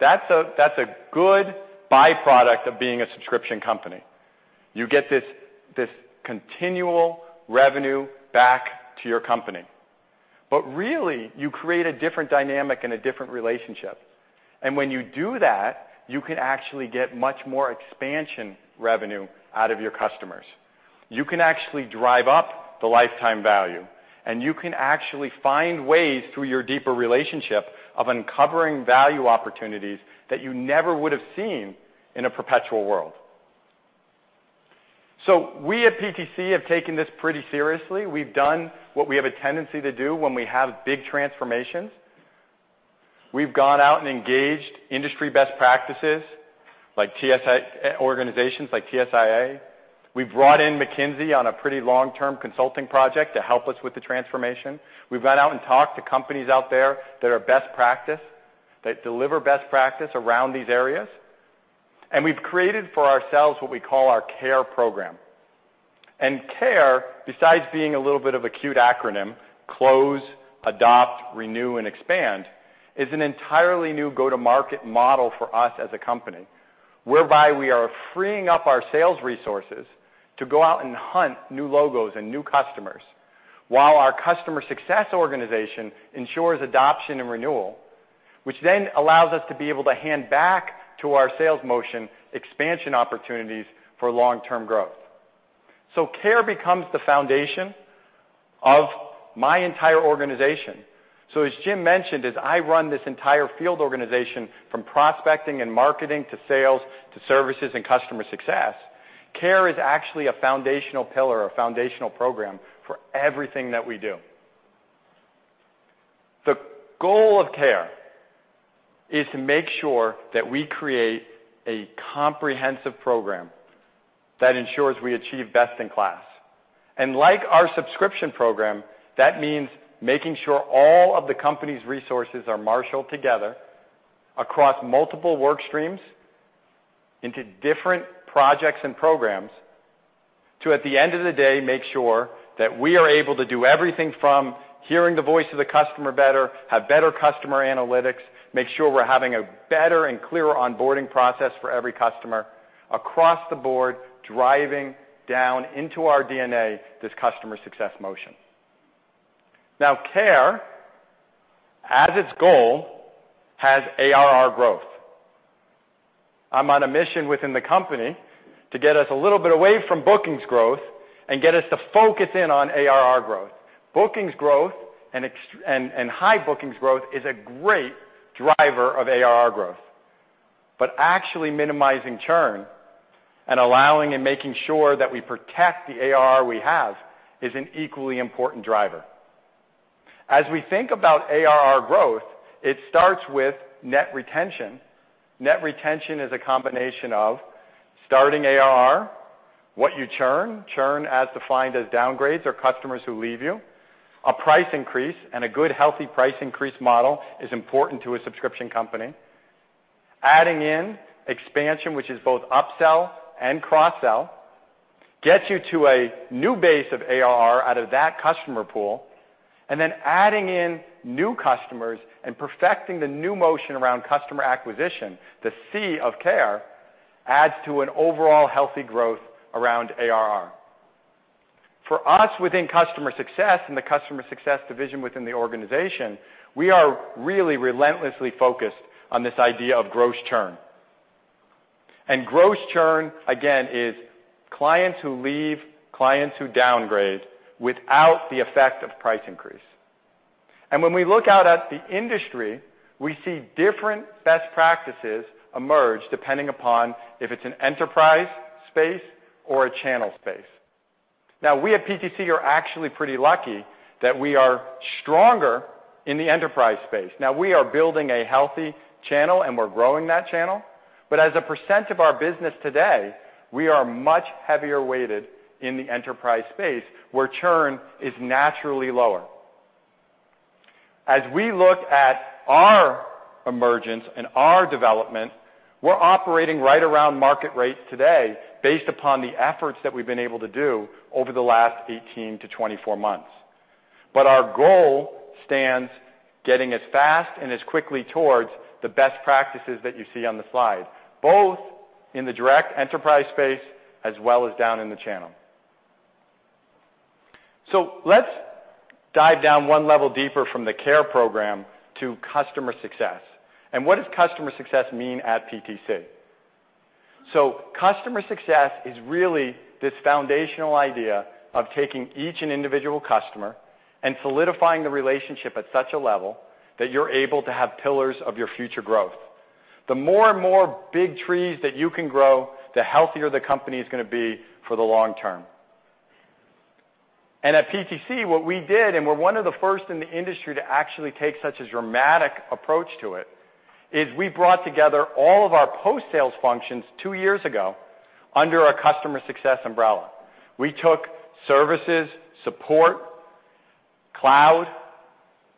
That's a good byproduct of being a subscription company. You get this continual revenue back to your company. Really, you create a different dynamic and a different relationship. When you do that, you can actually get much more expansion revenue out of your customers. You can actually drive up the lifetime value, and you can actually find ways through your deeper relationship of uncovering value opportunities that you never would have seen in a perpetual world. We at PTC have taken this pretty seriously. We've done what we have a tendency to do when we have big transformations. We've gone out and engaged industry best practices, like organizations like TSIA. We've brought in McKinsey on a pretty long-term consulting project to help us with the transformation. We've gone out and talked to companies out there that are best practice, that deliver best practice around these areas. We've created for ourselves what we call our CARE program. CARE, besides being a little bit of a cute acronym, close, adopt, renew, and expand, is an entirely new go-to-market model for us as a company, whereby we are freeing up our sales resources to go out and hunt new logos and new customers while our customer success organization ensures adoption and renewal, which then allows us to be able to hand back to our sales motion expansion opportunities for long-term growth. CARE becomes the foundation of my entire organization. As Jim mentioned, as I run this entire field organization from prospecting and marketing to sales to services and customer success, CARE is actually a foundational pillar or foundational program for everything that we do. The goal of CARE is to make sure that we create a comprehensive program that ensures we achieve best in class. Like our subscription program, that means making sure all of the company's resources are marshaled together across multiple work streams into different projects and programs to, at the end of the day, make sure that we are able to do everything from hearing the voice of the customer better, have better customer analytics, make sure we're having a better and clearer onboarding process for every customer across the board, driving down into our DNA this customer success motion. CARE, as its goal, has ARR growth. I'm on a mission within the company to get us a little bit away from bookings growth and get us to focus in on ARR growth. Bookings growth and high bookings growth is a great driver of ARR growth. Actually minimizing churn and allowing and making sure that we protect the ARR we have is an equally important driver. As we think about ARR growth, it starts with net retention. Net retention is a combination of starting ARR. What you churn as defined as downgrades or customers who leave you. A price increase and a good, healthy price increase model is important to a subscription company. Adding in expansion, which is both upsell and cross-sell, gets you to a new base of ARR out of that customer pool. Then adding in new customers and perfecting the new motion around customer acquisition, the C of CARE, adds to an overall healthy growth around ARR. For us within customer success and the customer success division within the organization, we are really relentlessly focused on this idea of gross churn. Gross churn, again, is clients who leave, clients who downgrade without the effect of price increase. When we look out at the industry, we see different best practices emerge depending upon if it's an enterprise space or a channel space. We at PTC are actually pretty lucky that we are stronger in the enterprise space. We are building a healthy channel, and we're growing that channel. As a % of our business today, we are much heavier weighted in the enterprise space, where churn is naturally lower. As we look at our emergence and our development, we're operating right around market rates today based upon the efforts that we've been able to do over the last 18 to 24 months. Our goal stands getting as fast and as quickly towards the best practices that you see on the slide, both in the direct enterprise space as well as down in the channel. Let's dive down one level deeper from the CARE program to customer success. What does customer success mean at PTC? Customer success is really this foundational idea of taking each individual customer and solidifying the relationship at such a level that you're able to have pillars of your future growth. The more and more big trees that you can grow, the healthier the company's going to be for the long term. At PTC, what we did, and we're one of the first in the industry to actually take such a dramatic approach to it, is we brought together all of our post-sales functions two years ago under our customer success umbrella. We took services, support, cloud,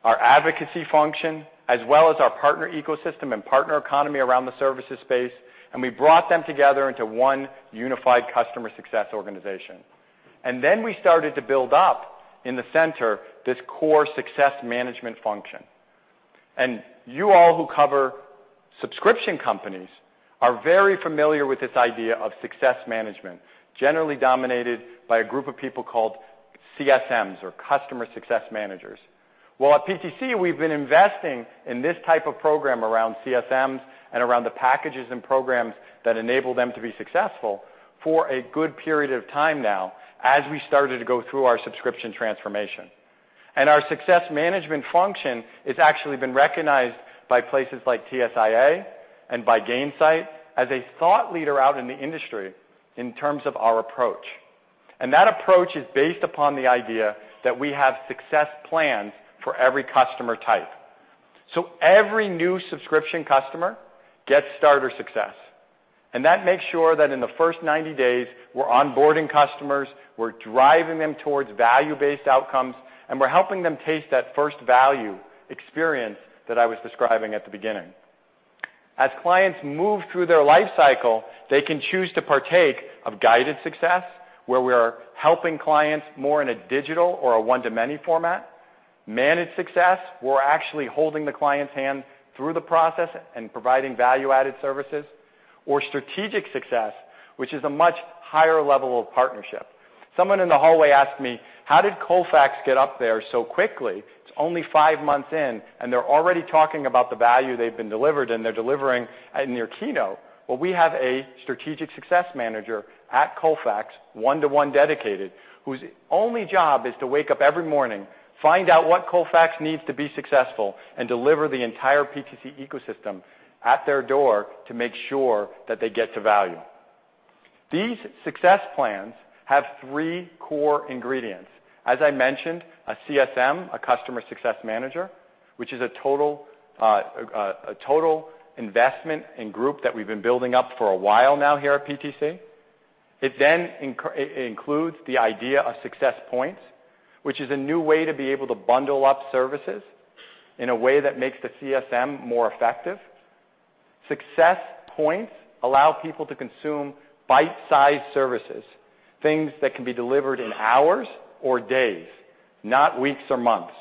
our advocacy function, as well as our partner ecosystem and partner economy around the services space, and we brought them together into one unified customer success organization. We started to build up in the center, this core success management function. You all who cover subscription companies are very familiar with this idea of success management, generally dominated by a group of people called CSMs or customer success managers. At PTC, we've been investing in this type of program around CSMs and around the packages and programs that enable them to be successful for a good period of time now as we started to go through our subscription transformation. Our success management function is actually been recognized by places like TSIA and by Gainsight as a thought leader out in the industry in terms of our approach. That approach is based upon the idea that we have success plans for every customer type. Every new subscription customer gets starter success. That makes sure that in the first 90 days, we're onboarding customers, we're driving them towards value-based outcomes, and we're helping them taste that first value experience that I was describing at the beginning. As clients move through their life cycle, they can choose to partake of guided success, where we are helping clients more in a digital or a one-to-many format. Managed success, we're actually holding the client's hand through the process and providing value-added services, or strategic success, which is a much higher level of partnership. Someone in the hallway asked me, "How did Colfax get up there so quickly? It's only five months in, they're already talking about the value they've been delivered, and they're delivering in their keynote. Well, we have a strategic success manager at Colfax, one-to-one dedicated, whose only job is to wake up every morning, find out what Colfax needs to be successful, and deliver the entire PTC ecosystem at their door to make sure that they get to value. These success plans have three core ingredients. As I mentioned, a CSM, a customer success manager, which is a total investment and group that we've been building up for a while now here at PTC. It includes the idea of success points, which is a new way to be able to bundle up services in a way that makes the CSM more effective. Success points allow people to consume bite-sized services, things that can be delivered in hours or days, not weeks or months.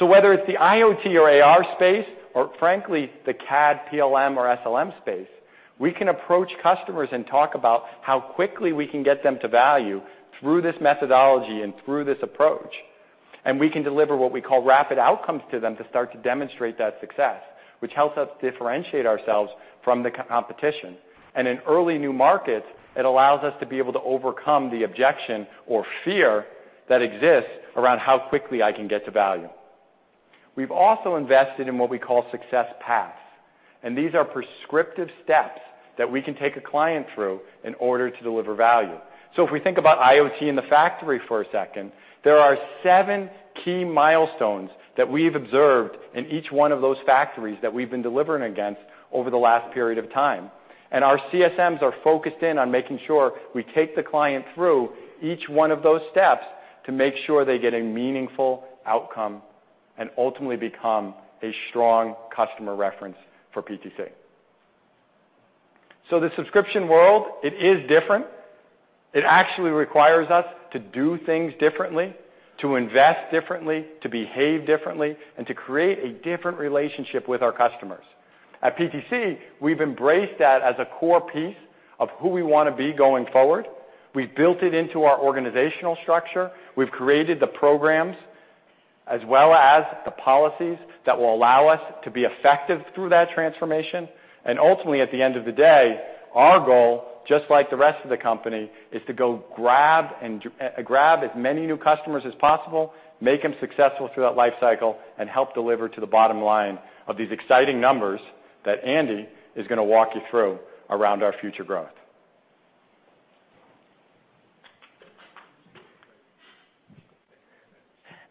Whether it's the IoT or AR space or frankly, the CAD, PLM, or SLM space, we can approach customers and talk about how quickly we can get them to value through this methodology and through this approach. We can deliver what we call rapid outcomes to them to start to demonstrate that success, which helps us differentiate ourselves from the competition. In early new markets, it allows us to be able to overcome the objection or fear that exists around how quickly I can get to value. We've also invested in what we call success paths, and these are prescriptive steps that we can take a client through in order to deliver value. If we think about IoT in the factory for a second, there are seven key milestones that we've observed in each one of those factories that we've been delivering against over the last period of time. Our CSMs are focused in on making sure we take the client through each one of those steps to make sure they get a meaningful outcome and ultimately become a strong customer reference for PTC. The subscription world, it is different. It actually requires us to do things differently, to invest differently, to behave differently, and to create a different relationship with our customers. At PTC, we've embraced that as a core piece of who we want to be going forward. We've built it into our organizational structure. We've created the programs as well as the policies that will allow us to be effective through that transformation. Ultimately, at the end of the day, our goal, just like the rest of the company, is to go grab as many new customers as possible, make them successful through that life cycle, and help deliver to the bottom line of these exciting numbers that Andy is going to walk you through around our future growth.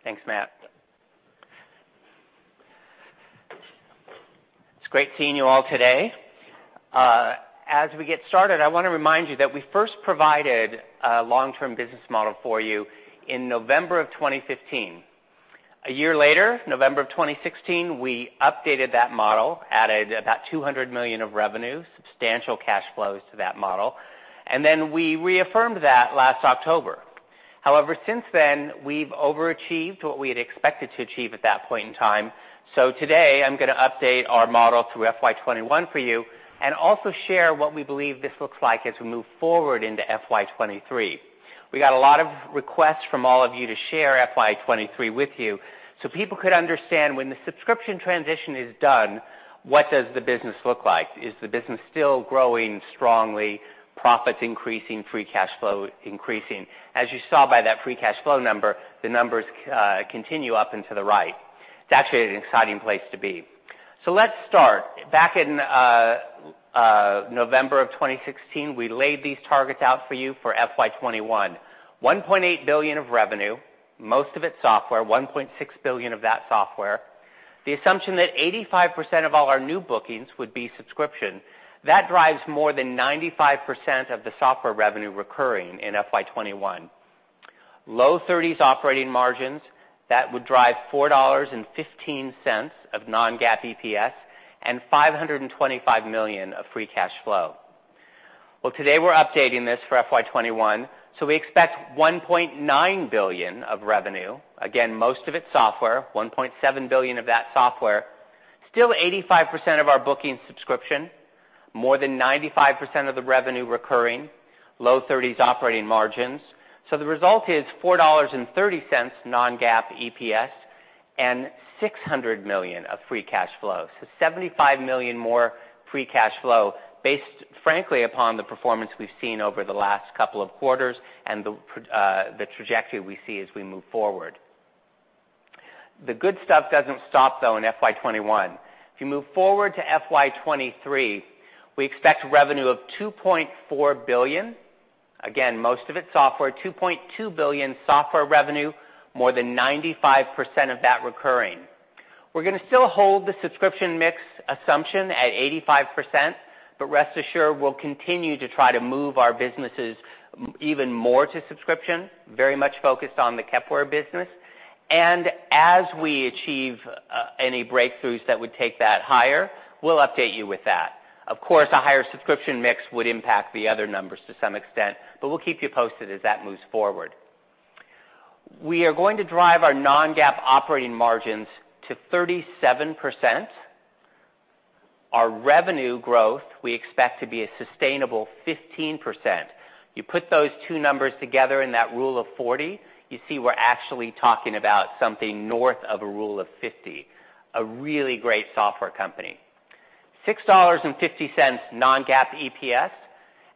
Thanks, Matt. It's great seeing you all today. As we get started, I want to remind you that we first provided a long-term business model for you in November 2015. A year later, November 2016, we updated that model, added about $200 million of revenue, substantial cash flows to that model, and we reaffirmed that last October. However, since then, we've overachieved what we had expected to achieve at that point in time. Today, I'm going to update our model through FY 2021 for you and also share what we believe this looks like as we move forward into FY 2023. We got a lot of requests from all of you to share FY 2023 with you, so people could understand when the subscription transition is done, what does the business look like? Is the business still growing strongly, profits increasing, free cash flow increasing? As you saw by that free cash flow number, the numbers continue up and to the right. It's actually an exciting place to be. Let's start. Back in November 2016, we laid these targets out for you for FY 2021. $1.8 billion of revenue, most of it software, $1.6 billion of that software. The assumption that 85% of all our new bookings would be subscription. That drives more than 95% of the software revenue recurring in FY 2021. Low 30s operating margins, that would drive $4.15 of non-GAAP EPS and $525 million of free cash flow. Today we're updating this for FY 2021. We expect $1.9 billion of revenue, again, most of it software, $1.7 billion of that software. Still 85% of our bookings subscription, more than 95% of the revenue recurring, low 30s operating margins. The result is $4.30 non-GAAP EPS and $600 million of free cash flow. $75 million more free cash flow based, frankly, upon the performance we've seen over the last couple of quarters and the trajectory we see as we move forward. The good stuff doesn't stop, though, in FY 2021. If you move forward to FY 2023, we expect revenue of $2.4 billion, again, most of it software, $2.2 billion software revenue, more than 95% of that recurring. We're going to still hold the subscription mix assumption at 85%, but rest assured, we'll continue to try to move our businesses even more to subscription, very much focused on the Kepware business. As we achieve any breakthroughs that would take that higher, we'll update you with that. Of course, a higher subscription mix would impact the other numbers to some extent, but we'll keep you posted as that moves forward. We are going to drive our non-GAAP operating margins to 37%. Our revenue growth we expect to be a sustainable 15%. You put those two numbers together in that rule of 40, you see we're actually talking about something north of a rule of 50, a really great software company. $6.50 non-GAAP EPS,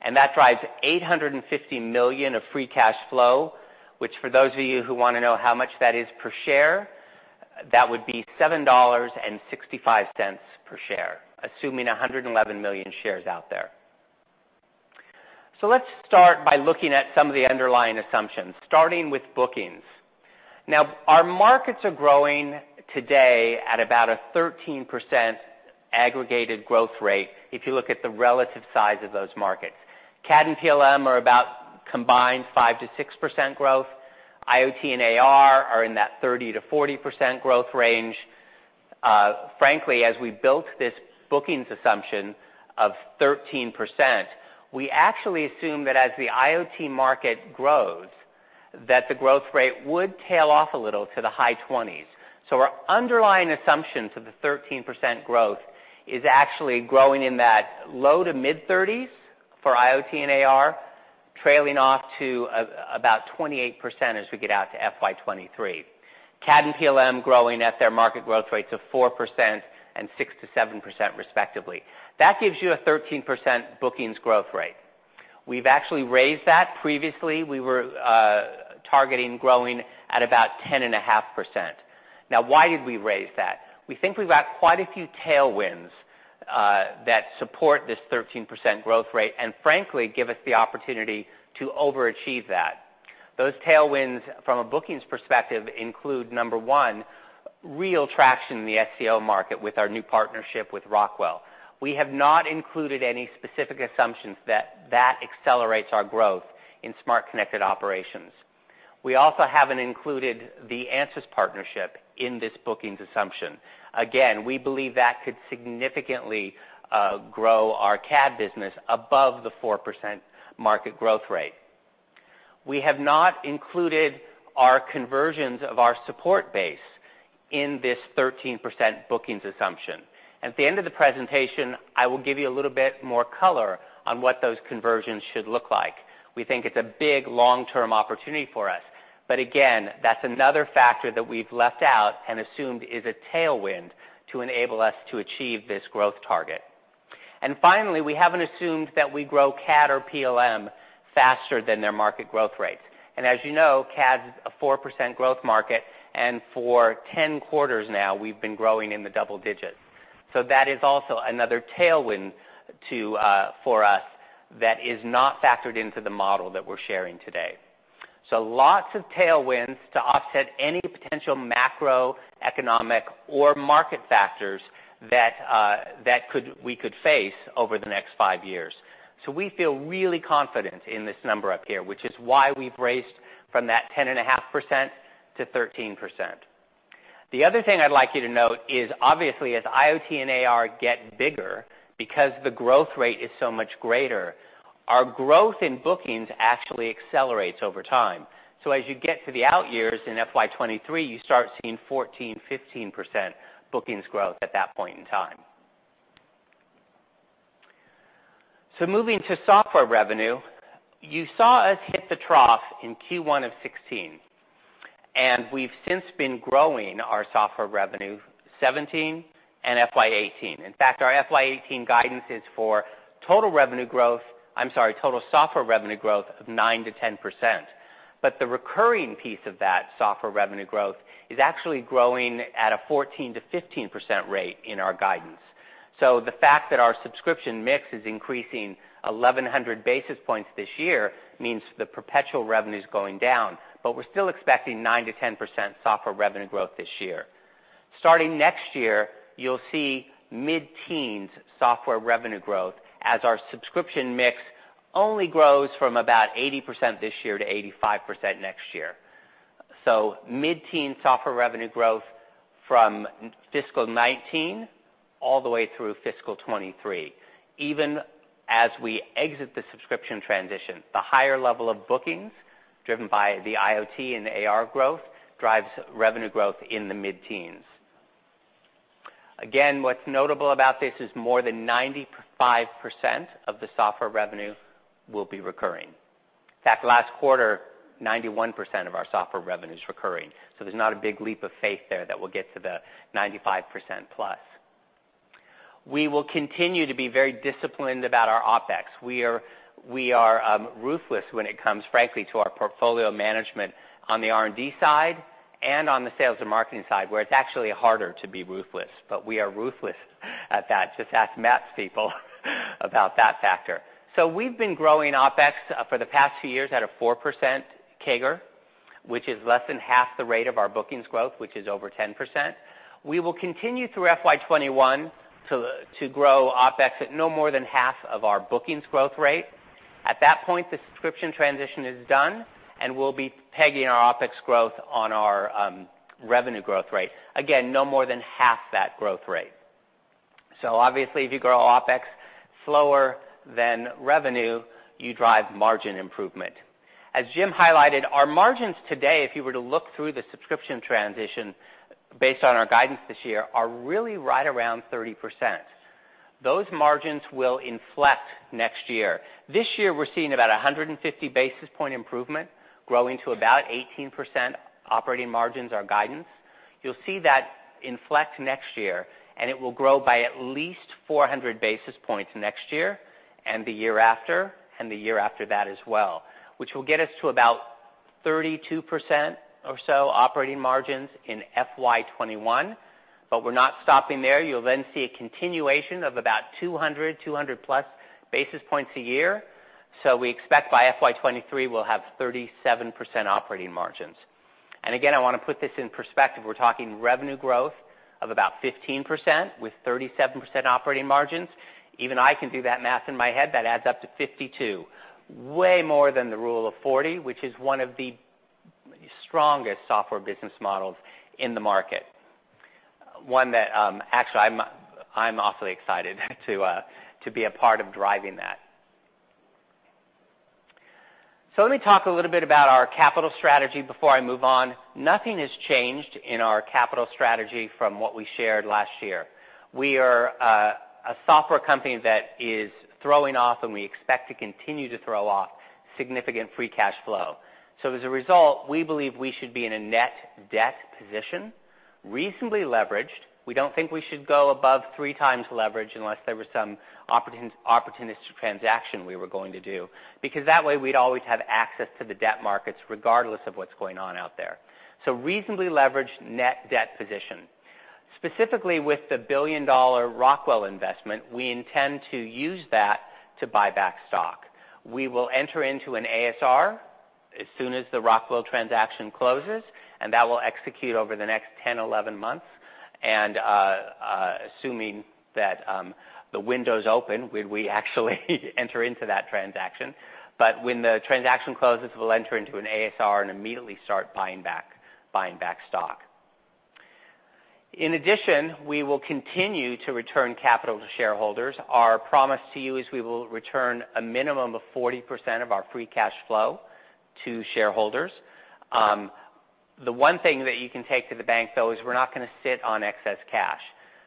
and that drives $850 million of free cash flow, which for those of you who want to know how much that is per share, that would be $7.65 per share, assuming 111 million shares out there. Let's start by looking at some of the underlying assumptions, starting with bookings. Our markets are growing today at about a 13% aggregated growth rate if you look at the relative size of those markets. CAD and PLM are about combined 5%-6% growth. IoT and AR are in that 30%-40% growth range. Frankly, as we built this bookings assumption of 13%, we actually assume that as the IoT market grows, that the growth rate would tail off a little to the high 20s. Our underlying assumption to the 13% growth is actually growing in that low to mid-30s for IoT and AR, trailing off to about 28% as we get out to FY 2023. CAD and PLM growing at their market growth rates of 4% and 6%-7% respectively. That gives you a 13% bookings growth rate. We've actually raised that previously. We were targeting growing at about 10.5%. Why did we raise that? We think we've got quite a few tailwinds that support this 13% growth rate and frankly give us the opportunity to overachieve that. Those tailwinds from a bookings perspective include, number one, real traction in the SCO market with our new partnership with Rockwell. We have not included any specific assumptions that accelerates our growth in Smart Connected Operations. We also haven't included the Ansys partnership in this bookings assumption. Again, we believe that could significantly grow our CAD business above the 4% market growth rate. We have not included our conversions of our support base in this 13% bookings assumption. At the end of the presentation, I will give you a little bit more color on what those conversions should look like. We think it's a big long-term opportunity for us. Again, that's another factor that we've left out and assumed is a tailwind to enable us to achieve this growth target. Finally, we haven't assumed that we grow CAD or PLM faster than their market growth rates. As you know, CAD's a 4% growth market, and for 10 quarters now, we've been growing in the double digits. That is also another tailwind for us that is not factored into the model that we're sharing today. Lots of tailwinds to offset any potential macroeconomic or market factors that we could face over the next five years. We feel really confident in this number up here, which is why we've raised from that 10.5% to 13%. The other thing I'd like you to note is obviously as IoT and AR get bigger, because the growth rate is so much greater, our growth in bookings actually accelerates over time. As you get to the out years in FY 2023, you start seeing 14%-15% bookings growth at that point in time. Moving to software revenue. You saw us hit the trough in Q1 of 2016, and we've since been growing our software revenue 2017 and FY 2018. In fact, our FY 2018 guidance is for total revenue growth. I'm sorry, total software revenue growth of 9%-10%. The recurring piece of that software revenue growth is actually growing at a 14%-15% rate in our guidance. The fact that our subscription mix is increasing 1,100 basis points this year means the perpetual revenue's going down. We're still expecting 9%-10% software revenue growth this year. Starting next year, you'll see mid-teens software revenue growth as our subscription mix only grows from about 80% this year to 85% next year. Mid-teen software revenue growth from fiscal 2019 all the way through fiscal 2023. Even as we exit the subscription transition, the higher level of bookings driven by the IoT and the AR growth drives revenue growth in the mid-teens. What's notable about this is more than 95% of the software revenue will be recurring. In fact, last quarter, 91% of our software revenue's recurring. There's not a big leap of faith there that we'll get to the 95%+. We will continue to be very disciplined about our OpEx. We are ruthless when it comes, frankly, to our portfolio management on the R&D side and on the sales and marketing side, where it's actually harder to be ruthless. We are ruthless at that. Just ask Matt's people about that factor. We've been growing OpEx for the past two years at a 4% CAGR, which is less than half the rate of our bookings growth, which is over 10%. We will continue through FY 2021 to grow OpEx at no more than half of our bookings growth rate. At that point, the subscription transition is done, and we'll be pegging our OpEx growth on our revenue growth rate. No more than half that growth rate. Obviously, if you grow OpEx slower than revenue, you drive margin improvement. As Jim highlighted, our margins today, if you were to look through the subscription transition based on our guidance this year, are really right around 30%. Those margins will inflect next year. This year we're seeing about 150 basis point improvement, growing to about 18% operating margins, our guidance. You'll see that inflect next year, and it will grow by at least 400 basis points next year and the year after, and the year after that as well, which will get us to about 32% or so operating margins in FY 2021. We're not stopping there. You'll then see a continuation of about 200+ basis points a year. We expect by FY 2023 we'll have 37% operating margins. I want to put this in perspective. We're talking revenue growth of about 15% with 37% operating margins. Even I can do that math in my head. That adds up to 52. Way more than the rule of 40, which is one of the strongest software business models in the market. One that, actually, I'm awfully excited to be a part of driving that. Let me talk a little bit about our capital strategy before I move on. Nothing has changed in our capital strategy from what we shared last year. We are a software company that is throwing off, and we expect to continue to throw off significant free cash flow. As a result, we believe we should be in a net debt position, reasonably leveraged. We don't think we should go above three times leverage unless there was some opportunistic transaction we were going to do, because that way we'd always have access to the debt markets regardless of what's going on out there. Reasonably leveraged net debt position. Specifically with the billion-dollar Rockwell investment, we intend to use that to buy back stock. We will enter into an ASR as soon as the Rockwell transaction closes, and that will execute over the next 10, 11 months. Assuming that the window's open, we actually enter into that transaction. When the transaction closes, we'll enter into an ASR and immediately start buying back stock. In addition, we will continue to return capital to shareholders. Our promise to you is we will return a minimum of 40% of our free cash flow to shareholders. The one thing that you can take to the bank, though, is we're not going to sit on excess cash.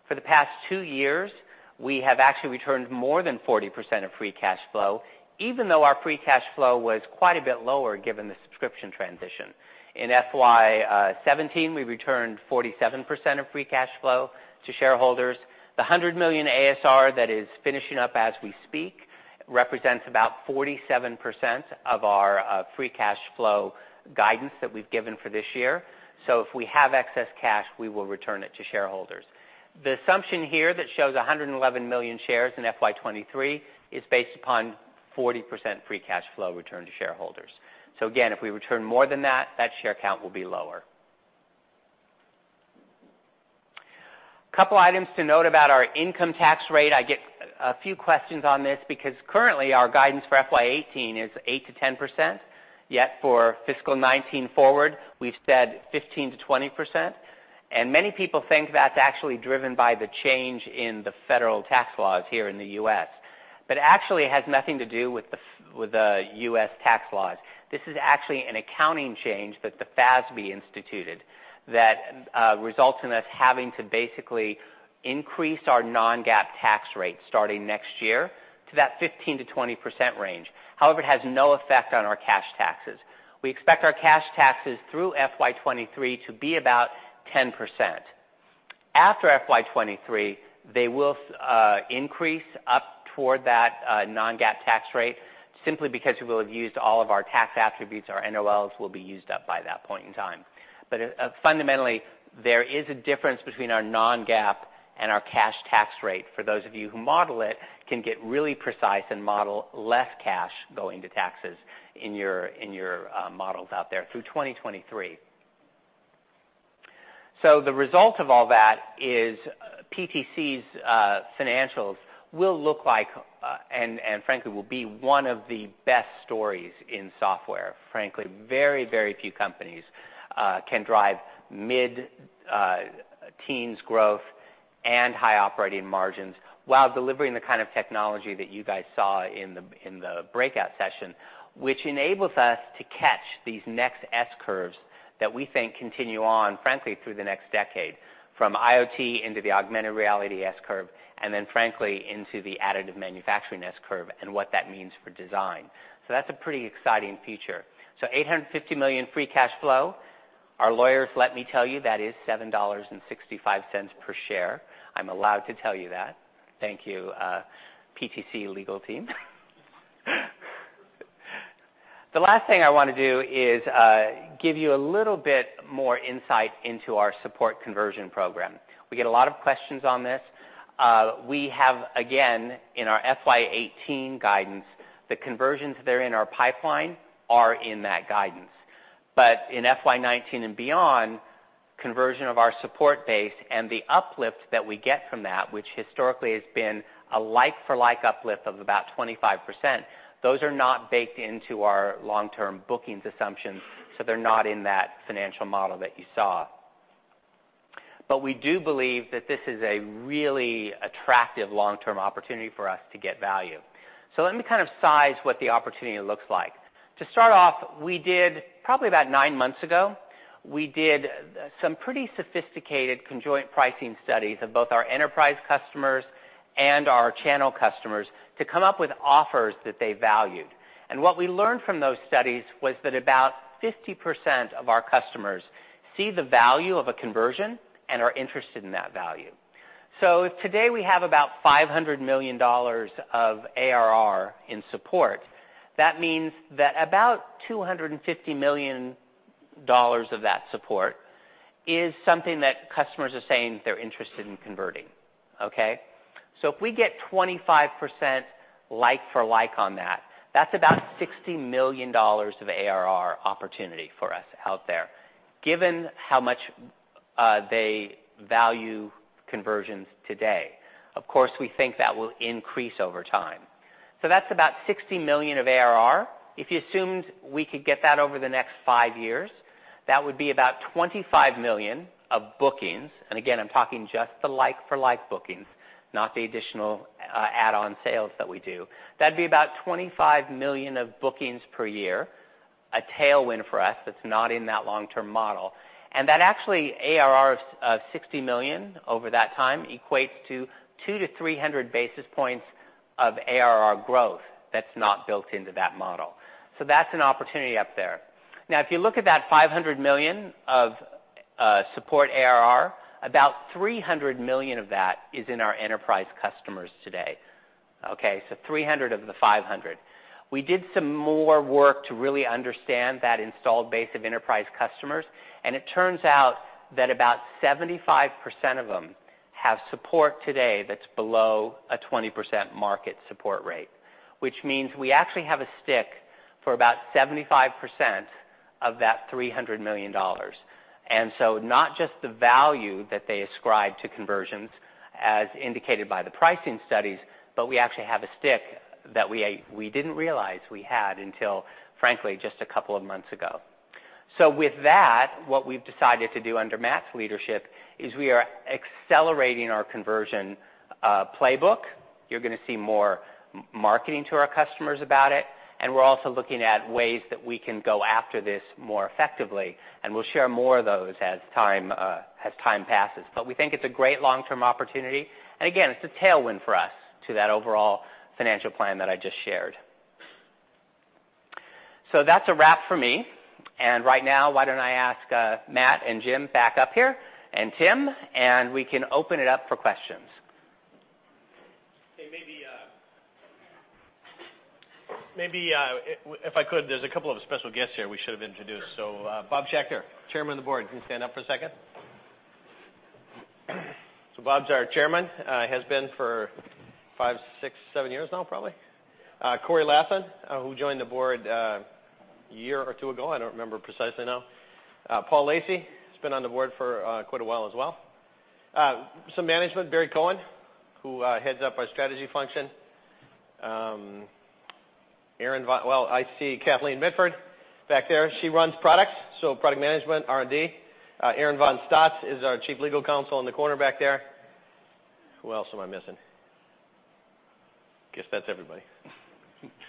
For the past two years, we have actually returned more than 40% of free cash flow, even though our free cash flow was quite a bit lower given the subscription transition. In FY 2017, we returned 47% of free cash flow to shareholders. The $100 million ASR that is finishing up as we speak represents about 47% of our free cash flow guidance that we've given for this year. If we have excess cash, we will return it to shareholders. The assumption here that shows 111 million shares in FY 2023 is based upon 40% free cash flow return to shareholders. Again, if we return more than that share count will be lower. A couple items to note about our income tax rate. I get a few questions on this because currently our guidance for FY 2018 is 8%-10%, yet for fiscal 2019 forward, we've said 15%-20%. Many people think that's actually driven by the change in the federal tax laws here in the U.S., but actually it has nothing to do with the U.S. tax laws. This is actually an accounting change that the FASB instituted that results in us having to basically increase our non-GAAP tax rate starting next year to that 15%-20% range. However, it has no effect on our cash taxes. We expect our cash taxes through FY 2023 to be about 10%. After FY 2023, they will increase up toward that non-GAAP tax rate simply because we will have used all of our tax attributes. Our NOLs will be used up by that point in time. Fundamentally, there is a difference between our non-GAAP and our cash tax rate. For those of you who model it, can get really precise and model less cash going to taxes in your models out there through 2023. The result of all that is PTC's financials will look like, and frankly will be one of the best stories in software. Frankly, very, very few companies can drive mid-teens growth and high operating margins while delivering the kind of technology that you guys saw in the breakout session, which enables us to catch these next S-curves that we think continue on, frankly, through the next decade, from IoT into the augmented reality S-curve, and then frankly, into the additive manufacturing S-curve and what that means for design. That's a pretty exciting feature. $850 million free cash flow. Our lawyers let me tell you, that is $7.65 per share. I'm allowed to tell you that. Thank you, PTC legal team. The last thing I want to do is give you a little bit more insight into our support conversion program. We get a lot of questions on this. We have, again, in our FY 2018 guidance, the conversions that are in our pipeline are in that guidance. In FY 2019 and beyond, conversion of our support base and the uplift that we get from that, which historically has been a like-for-like uplift of about 25%, those are not baked into our long-term bookings assumptions, they're not in that financial model that you saw. We do believe that this is a really attractive long-term opportunity for us to get value. Let me kind of size what the opportunity looks like. To start off, probably about nine months ago, we did some pretty sophisticated conjoint pricing studies of both our enterprise customers and our channel customers to come up with offers that they valued. What we learned from those studies was that about 50% of our customers see the value of a conversion and are interested in that value. If today we have about $500 million of ARR in support, that means that about $250 million of that support is something that customers are saying they're interested in converting. Okay. If we get 25% like for like on that's about $60 million of ARR opportunity for us out there, given how much they value conversions today. Of course, we think that will increase over time. That's about $60 million of ARR. If you assumed we could get that over the next five years, that would be about $25 million of bookings. Again, I'm talking just the like-for-like bookings, not the additional add-on sales that we do. That'd be about $25 million of bookings per year, a tailwind for us that's not in that long-term model. That actually ARR of $60 million over that time equates to 200 to 300 basis points of ARR growth that's not built into that model. That's an opportunity up there. If you look at that $500 million of support ARR, about $300 million of that is in our enterprise customers today. Okay. 300 of the 500. We did some more work to really understand that installed base of enterprise customers, it turns out that about 75% of them have support today that's below a 20% market support rate, which means we actually have a stick for about 75% of that $300 million. Not just the value that they ascribe to conversions as indicated by the pricing studies, but we actually have a stick that we didn't realize we had until, frankly, just a couple of months ago. With that, what we've decided to do under Matt's leadership is we are accelerating our conversion playbook. You're going to see more marketing to our customers about it, we're also looking at ways that we can go after this more effectively, and we'll share more of those as time passes. We think it's a great long-term opportunity, again, it's a tailwind for us to that overall financial plan that I just shared. That's a wrap for me. Right now, why don't I ask Matt and Jim back up here, Tim, we can open it up for questions. Okay, maybe if I could, there's a couple of special guests here we should have introduced. Bob Schechter, chairman of the board. Can you stand up for a second? Bob's our chairman. Has been for five, six, seven years now, probably. Corinna Lathan, who joined the board a year or two ago, I don't remember precisely now. Paul Lacy has been on the board for quite a while as well. Some management, Barry Cohen, who heads up our strategy function. I see Kathleen Mitford back there. She runs products, product management, R&D. Aaron von Staats is our chief legal counsel in the corner back there. Who else am I missing? Guess that's everybody.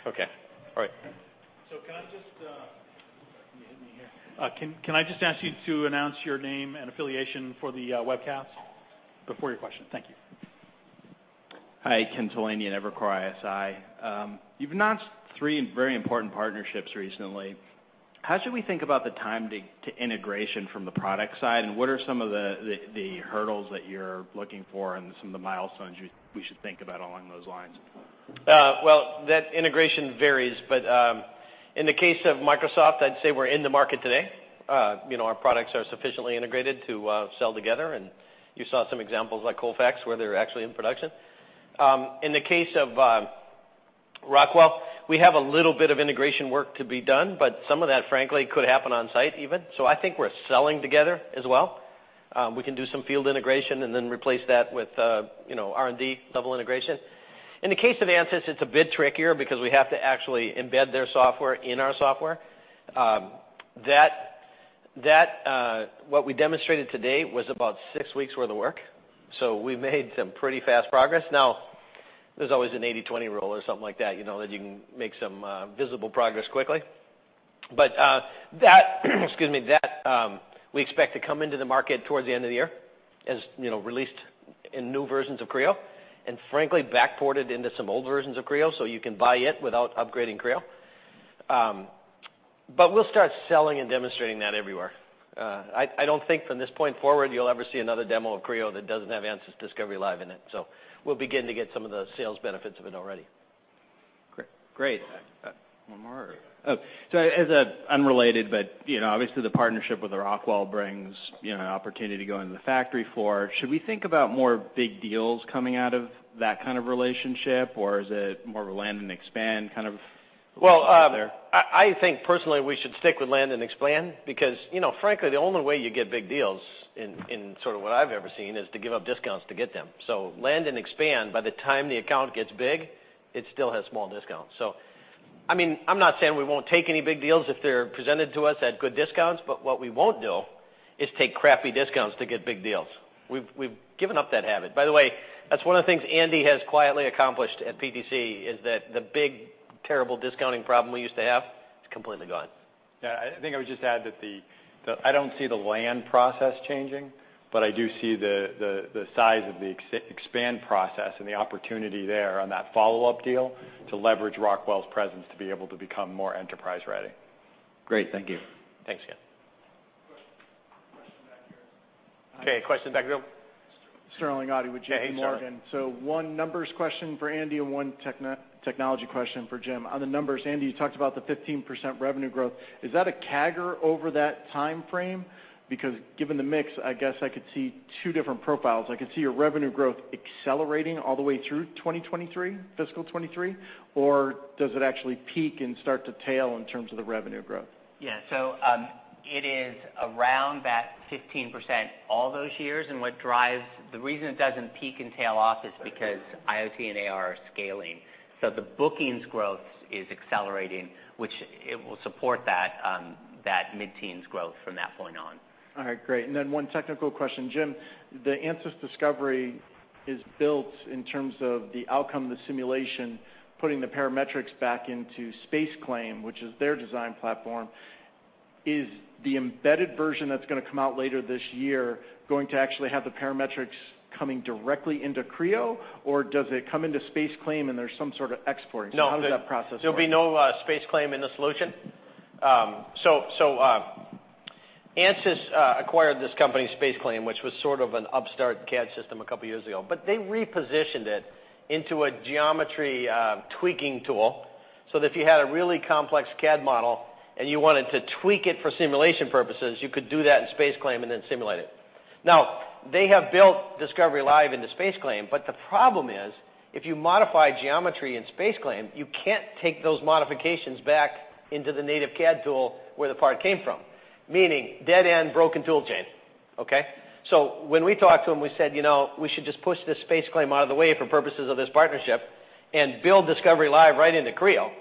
Okay. All right. Can I just? You hit me here. Can I just ask you to announce your name and affiliation for the webcast before your question? Thank you. Hi, Ken Talanian, Evercore ISI. You've announced three very important partnerships recently. How should we think about the timing to integration from the product side, what are some of the hurdles that you're looking for and some of the milestones we should think about along those lines? Well, that integration varies, but in the case of Microsoft, I'd say we're in the market today. Our products are sufficiently integrated to sell together, and you saw some examples like Colfax, where they're actually in production. In the case of Rockwell, we have a little bit of integration work to be done, but some of that, frankly, could happen on site even. I think we're selling together as well. We can do some field integration and then replace that with R&D-level integration. In the case of Ansys, it's a bit trickier because we have to actually embed their software in our software. What we demonstrated today was about six weeks worth of work, we made some pretty fast progress. Now, there's always an 80/20 rule or something like that you can make some visible progress quickly. That excuse me, we expect to come into the market towards the end of the year, as released in new versions of Creo, and frankly, backported into some old versions of Creo, so you can buy it without upgrading Creo. We'll start selling and demonstrating that everywhere. I don't think from this point forward you'll ever see another demo of Creo that doesn't have Ansys Discovery Live in it. We'll begin to get some of the sales benefits of it already. Great. One more, or Oh. As an unrelated, but obviously the partnership with Rockwell brings an opportunity to go into the factory floor. Should we think about more big deals coming out of that kind of relationship, or is it more of a land and expand? Well- -out there? I think personally we should stick with land and expand because, frankly, the only way you get big deals, in sort of what I've ever seen, is to give up discounts to get them. Land and expand, by the time the account gets big, it still has small discounts. I'm not saying we won't take any big deals if they're presented to us at good discounts, but what we won't do is take crappy discounts to get big deals. We've given up that habit. By the way, that's one of the things Andy has quietly accomplished at PTC, is that the big terrible discounting problem we used to have, it's completely gone. Yeah, I think I would just add that I don't see the land process changing, but I do see the size of the expand process and the opportunity there on that follow-up deal to leverage Rockwell's presence to be able to become more enterprise-ready. Great. Thank you. Thanks, Ken. Question back here. Okay, question back here. Sterling Auty with J.P. Morgan. Hey, Sterling. One numbers question for Andy and one technology question for Jim. On the numbers, Andy, you talked about the 15% revenue growth. Is that a CAGR over that timeframe? Because given the mix, I guess I could see two different profiles. I could see your revenue growth accelerating all the way through 2023, fiscal 2023, or does it actually peak and start to tail in terms of the revenue growth? It is around that 15% all those years, and the reason it doesn't peak and tail off is because IoT and AR are scaling. The bookings growth is accelerating, which it will support that mid-teens growth from that point on. All right, great. Then one technical question. Jim, the Ansys Discovery is built in terms of the outcome of the simulation, putting the parametrics back into SpaceClaim, which is their design platform. Is the embedded version that's going to come out later this year going to actually have the parametrics coming directly into Creo, or does it come into SpaceClaim and there's some sort of export? No. How does that process work? There'll be no SpaceClaim in the solution. ANSYS acquired this company, SpaceClaim, which was sort of an upstart CAD system a couple of years ago. They repositioned it into a geometry tweaking tool, so that if you had a really complex CAD model and you wanted to tweak it for simulation purposes, you could do that in SpaceClaim and then simulate it. They have built Discovery Live into SpaceClaim, the problem is, if you modify geometry in SpaceClaim, you can't take those modifications back into the native CAD tool where the part came from, meaning dead end, broken tool chain. Okay? When we talked to them, we said, "We should just push this SpaceClaim out of the way for purposes of this partnership and build Discovery Live right into Creo."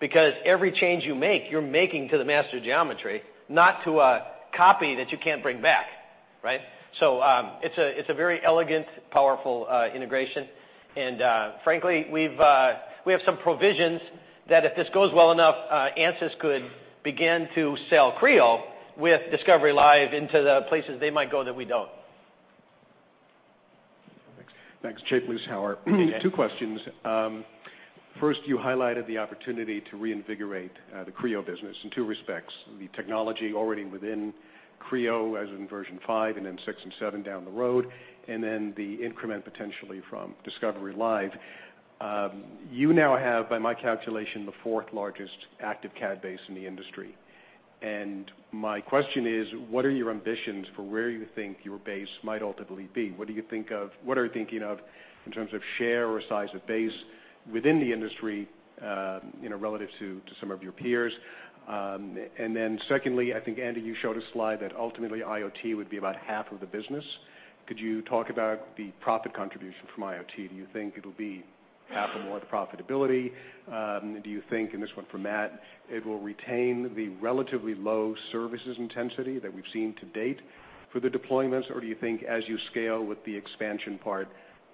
Because every change you make, you're making to the master geometry, not to a copy that you can't bring back. Right? It's a very elegant, powerful integration. Frankly, we have some provisions that if this goes well enough, ANSYS could begin to sell Creo with Discovery Live into the places they might go that we don't. Thanks. Jay Vleeschhouwer. Two questions. First, you highlighted the opportunity to reinvigorate the Creo business in two respects, the technology already within Creo, as in version 5, and then 6 and 7 down the road, and then the increment potentially from Discovery Live. You now have, by my calculation, the fourth largest active CAD base in the industry. My question is, what are your ambitions for where you think your base might ultimately be? What are you thinking of in terms of share or size of base within the industry, relative to some of your peers? Secondly, I think, Andy, you showed a slide that ultimately IoT would be about half of the business. Could you talk about the profit contribution from IoT? Do you think it'll be half or more the profitability? Do you think, this one for Matt, it will retain the relatively low services intensity that we've seen to date for the deployments, or do you think as you scale with the expansion part,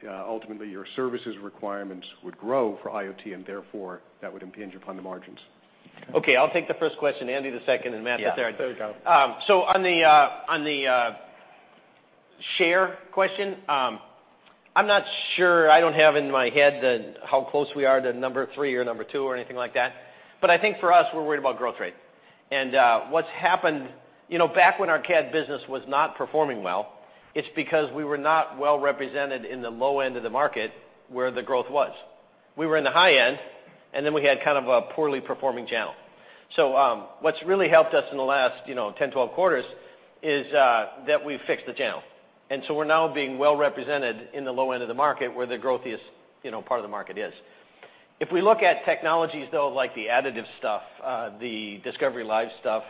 ultimately your services requirements would grow for IoT and therefore that would impinge upon the margins? Okay. I'll take the first question, Andy the second, and Matt the third. Yeah. On the share question, I'm not sure. I don't have in my head how close we are to number 3 or number 2 or anything like that. I think for us, we're worried about growth rate. What's happened, back when our CAD business was not performing well, it's because we were not well-represented in the low end of the market where the growth was. We were in the high end, and then we had a poorly performing channel. What's really helped us in the last 10, 12 quarters is that we've fixed the channel. We're now being well-represented in the low end of the market where the growthiest part of the market is. If we look at technologies, though, like the additive stuff, the Discovery Live stuff,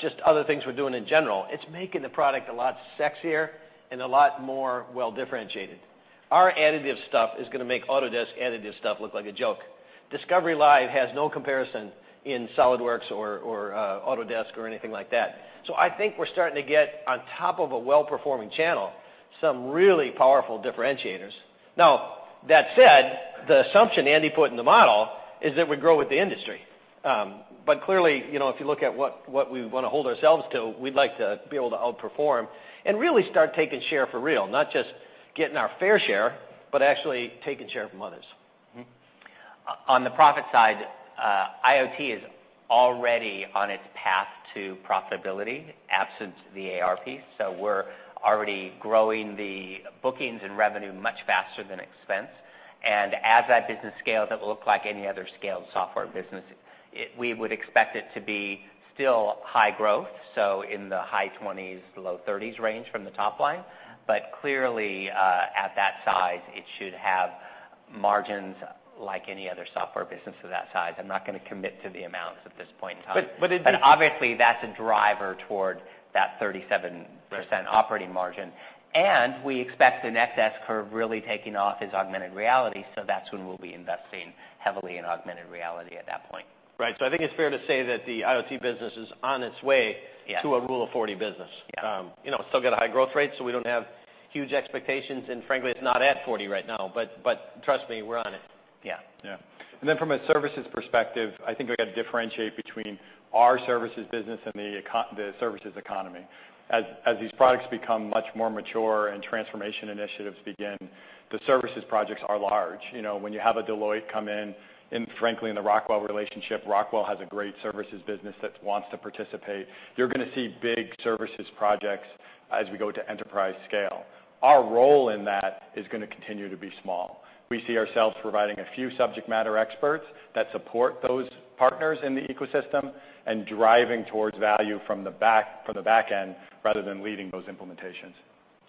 just other things we're doing in general, it's making the product a lot sexier and a lot more well-differentiated. Our additive stuff is going to make Autodesk additive stuff look like a joke. Discovery Live has no comparison in SOLIDWORKS or Autodesk or anything like that. I think we're starting to get on top of a well-performing channel, some really powerful differentiators. Now, that said, the assumption Andy put in the model is that we grow with the industry. Clearly, if you look at what we want to hold ourselves to, we'd like to be able to outperform and really start taking share for real. Not just getting our fair share, but actually taking share from others. On the profit side, IoT is already on its path to profitability, absent the ARP. We're already growing the bookings and revenue much faster than expense. As that business scales, it will look like any other scaled software business. We would expect it to be still high growth, so in the high 20s, low 30s range from the top line. Clearly, at that size, it should have margins like any other software business of that size. I'm not going to commit to the amounts at this point in time. But it- obviously, that's a driver toward that 37% operating margin. We expect the next S-curve really taking off is augmented reality, so that's when we'll be investing heavily in augmented reality at that point. Right. I think it's fair to say that the IoT business is on its way- Yeah to a rule of 40 business. Yeah. Still got a high growth rate, we don't have huge expectations. Frankly, it's not at 40 right now. Trust me, we're on it. Yeah. Yeah. From a services perspective, I think we've got to differentiate between our services business and the services economy. As these products become much more mature and transformation initiatives begin, the services projects are large. When you have a Deloitte come in, frankly, in the Rockwell relationship, Rockwell has a great services business that wants to participate. You're going to see big services projects as we go to enterprise scale. Our role in that is going to continue to be small. We see ourselves providing a few subject matter experts that support those partners in the ecosystem and driving towards value from the back end, rather than leading those implementations.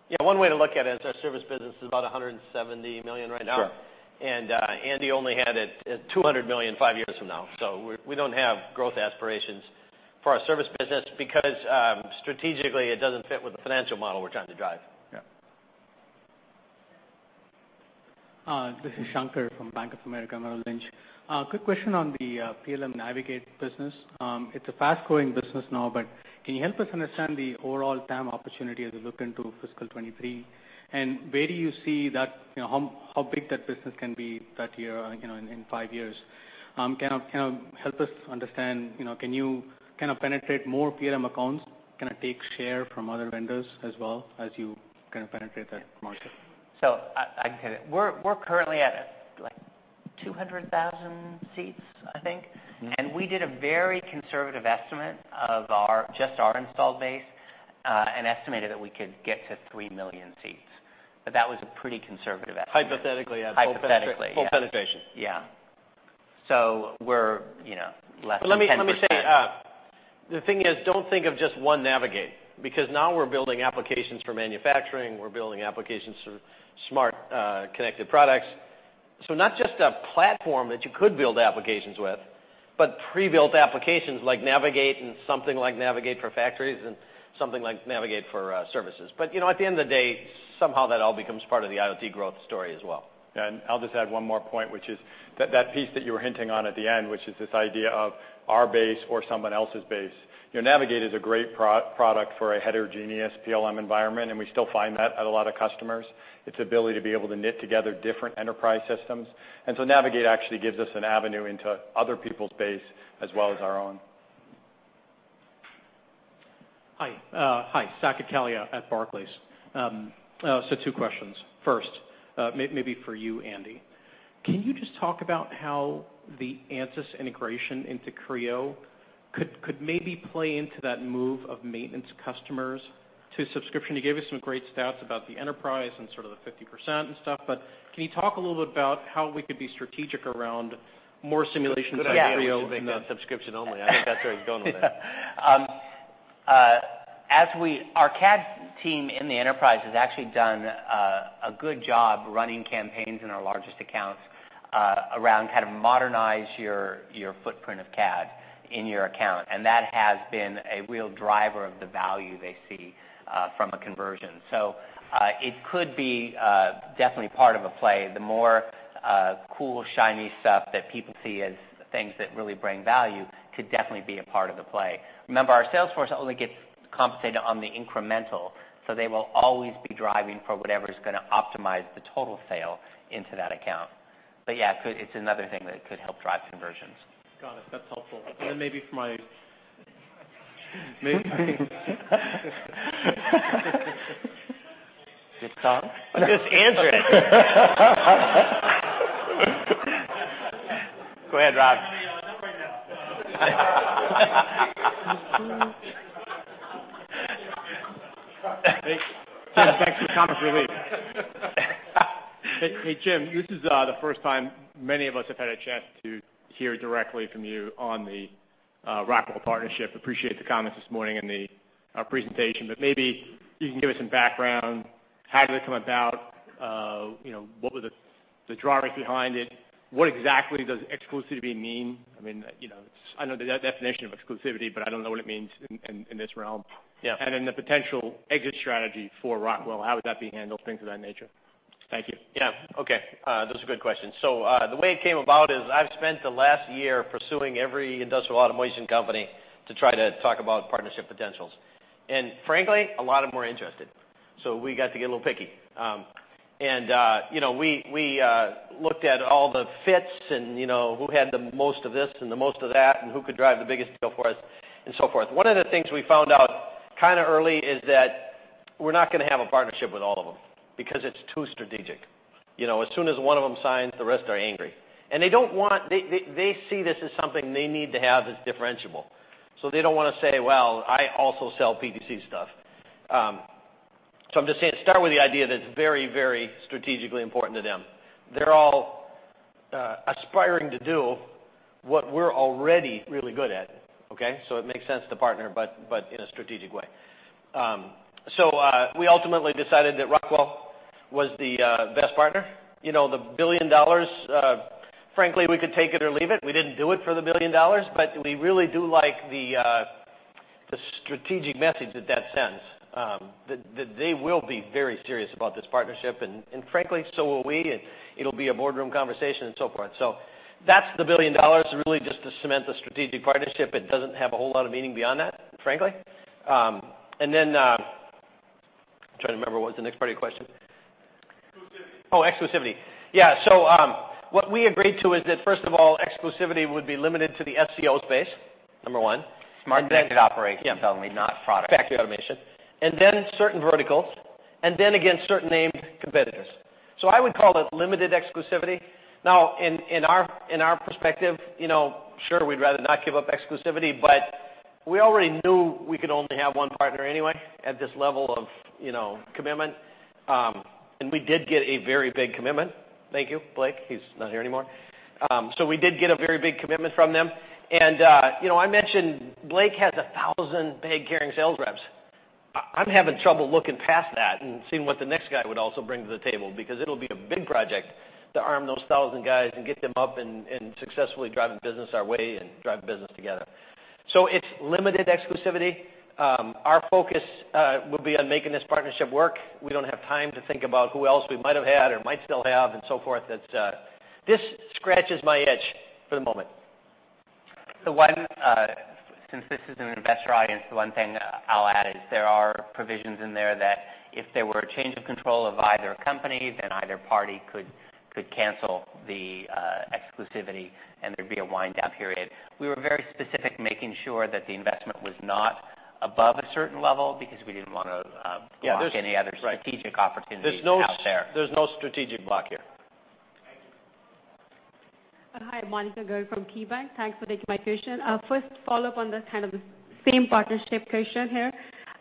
Yeah, one way to look at it is our service business is about $170 million right now. Sure. Andy only had it at $200 million five years from now. We don't have growth aspirations for our service business because, strategically, it doesn't fit with the financial model we're trying to drive. Yeah. This is Shankar from Bank of America Merrill Lynch. Quick question on the PLM Navigate business. It's a fast-growing business now, but can you help us understand the overall TAM opportunity as we look into FY 2023? Where do you see that, how big that business can be that year, in five years? Help us understand, can you penetrate more PLM accounts? Can it take share from other vendors as well as you penetrate that market? I can hit it. We're currently at 200,000 seats, I think. We did a very conservative estimate of just our installed base, and estimated that we could get to 3 million seats. Hypothetically, yeah. Hypothetically, yeah. Full penetration. Yeah. We're less than 10%. Let me say, the thing is, don't think of just one Navigate, because now we're building applications for manufacturing, we're building applications for Smart Connected Products. Not just a platform that you could build applications with, but pre-built applications like Navigate and something like Navigate for factories and something like Navigate for services. At the end of the day, somehow that all becomes part of the IoT growth story as well. Yeah, I'll just add one more point, which is that piece that you were hinting on at the end, which is this idea of our base or someone else's base. Navigate is a great product for a heterogeneous PLM environment, and we still find that at a lot of customers, its ability to be able to knit together different enterprise systems. Navigate actually gives us an avenue into other people's base as well as our own. Hi. Saket Kalia at Barclays. Two questions. First, maybe for you, Andy. Can you just talk about how the Ansys integration into Creo could maybe play into that move of maintenance customers to subscription? You gave us some great stats about the enterprise and sort of the 50% and stuff. Can you talk a little bit about how we could be strategic around more simulations in Creo? Good idea to make that subscription only. I think that's where he's going with it. Our CAD team in the enterprise has actually done a good job running campaigns in our largest accounts around how to modernize your footprint of CAD in your account, and that has been a real driver of the value they see from a conversion. It could be definitely part of a play. The more cool, shiny stuff that people see as things that really bring value could definitely be a part of the play. Remember, our sales force only gets compensated on the incremental. They will always be driving for whatever's going to optimize the total sale into that account. Yeah, it's another thing that could help drive conversions. Got it. That's helpful. It's Tom? Just answer it. Go ahead, Rob. Not right now. No. Thanks for the comic relief. Hey, Jim, this is the first time many of us have had a chance to hear directly from you on the Rockwell partnership. Appreciate the comments this morning and the presentation, maybe you can give us some background. How did it come about? What were the drivers behind it? What exactly does exclusivity mean? I know the definition of exclusivity, but I don't know what it means in this realm. Yeah. The potential exit strategy for Rockwell, how would that be handled? Things of that nature. Thank you. Yeah. Okay. Those are good questions. The way it came about is I've spent the last year pursuing every industrial automation company to try to talk about partnership potentials. Frankly, a lot of them were interested, so we got to get a little picky. We looked at all the fits and who had the most of this and the most of that and who could drive the biggest deal for us and so forth. One of the things we found out early is that we're not going to have a partnership with all of them because it's too strategic. As soon as one of them signs, the rest are angry. They see this as something they need to have that's differentiable. They don't want to say, "Well, I also sell PTC stuff." I'm just saying, start with the idea that it's very, very strategically important to them. They're all aspiring to do what we're already really good at, okay? It makes sense to partner, but in a strategic way. We ultimately decided that Rockwell was the best partner. The $1 billion, frankly, we could take it or leave it. We didn't do it for the $1 billion, but we really do like the strategic message that that sends, that they will be very serious about this partnership, and frankly, so will we. It'll be a boardroom conversation and so forth. That's the $1 billion, really just to cement the strategic partnership. It doesn't have a whole lot of meaning beyond that, frankly. I'm trying to remember what was the next part of your question. Exclusivity. Oh, exclusivity. Yeah. What we agreed to is that first of all, exclusivity would be limited to the SCO space, number 1. Smart Connected Operations, you're telling me, not product. Factory automation. Certain verticals. Against certain named competitors. I would call it limited exclusivity. In our perspective, sure, we'd rather not give up exclusivity, we already knew we could only have one partner anyway at this level of commitment. We did get a very big commitment. Thank you, Blake. He's not here anymore. We did get a very big commitment from them. I mentioned Blake has 1,000 big caring sales reps. I'm having trouble looking past that and seeing what the next guy would also bring to the table because it'll be a big project to arm those 1,000 guys and get them up and successfully driving business our way and drive business together. It's limited exclusivity. Our focus will be on making this partnership work. We don't have time to think about who else we might have had or might still have and so forth. This scratches my itch for the moment. Since this is an investor audience, the one thing I'll add is there are provisions in there that if there were a change of control of either company, then either party could cancel the exclusivity, and there'd be a wind-down period. We were very specific making sure that the investment was not above a certain level because we didn't want to block any other strategic opportunities out there. There's no strategic block here. Hi, Monika Garg from KeyBank. Thanks for taking my question. First follow-up on this kind of the same partnership question here.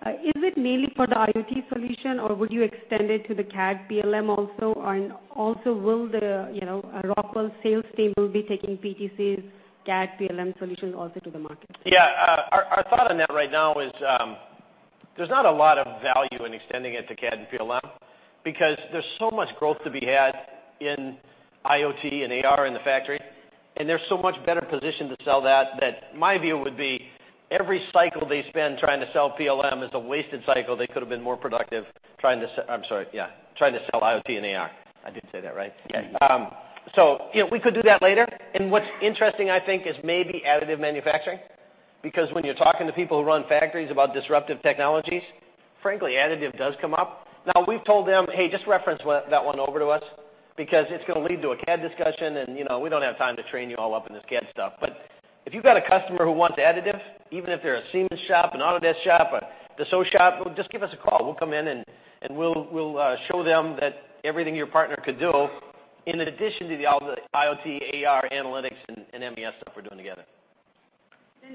Is it mainly for the IoT solution, or would you extend it to the CAD PLM also? Also will the Rockwell sales team be taking PTC's CAD PLM solution also to the market? Yeah. Our thought on that right now is, there's not a lot of value in extending it to CAD and PLM because there's so much growth to be had in IoT and AR in the factory, and they're so much better positioned to sell that my view would be every cycle they spend trying to sell PLM is a wasted cycle. They could've been more productive. I'm sorry. Yeah. Trying to sell IoT and AR. I did say that, right? Yeah. We could do that later. What's interesting, I think, is maybe additive manufacturing. When you're talking to people who run factories about disruptive technologies, frankly, additive does come up. We've told them, "Hey, just reference that one over to us because it's going to lead to a CAD discussion, and we don't have time to train you all up in this CAD stuff." If you've got a customer who wants additive, even if they're a Siemens shop, an Autodesk shop, a Dassault Systèmes shop, just give us a call. We'll come in, and we'll show them that everything your partner could do in addition to all the IoT, AR analytics, and MES stuff we're doing together.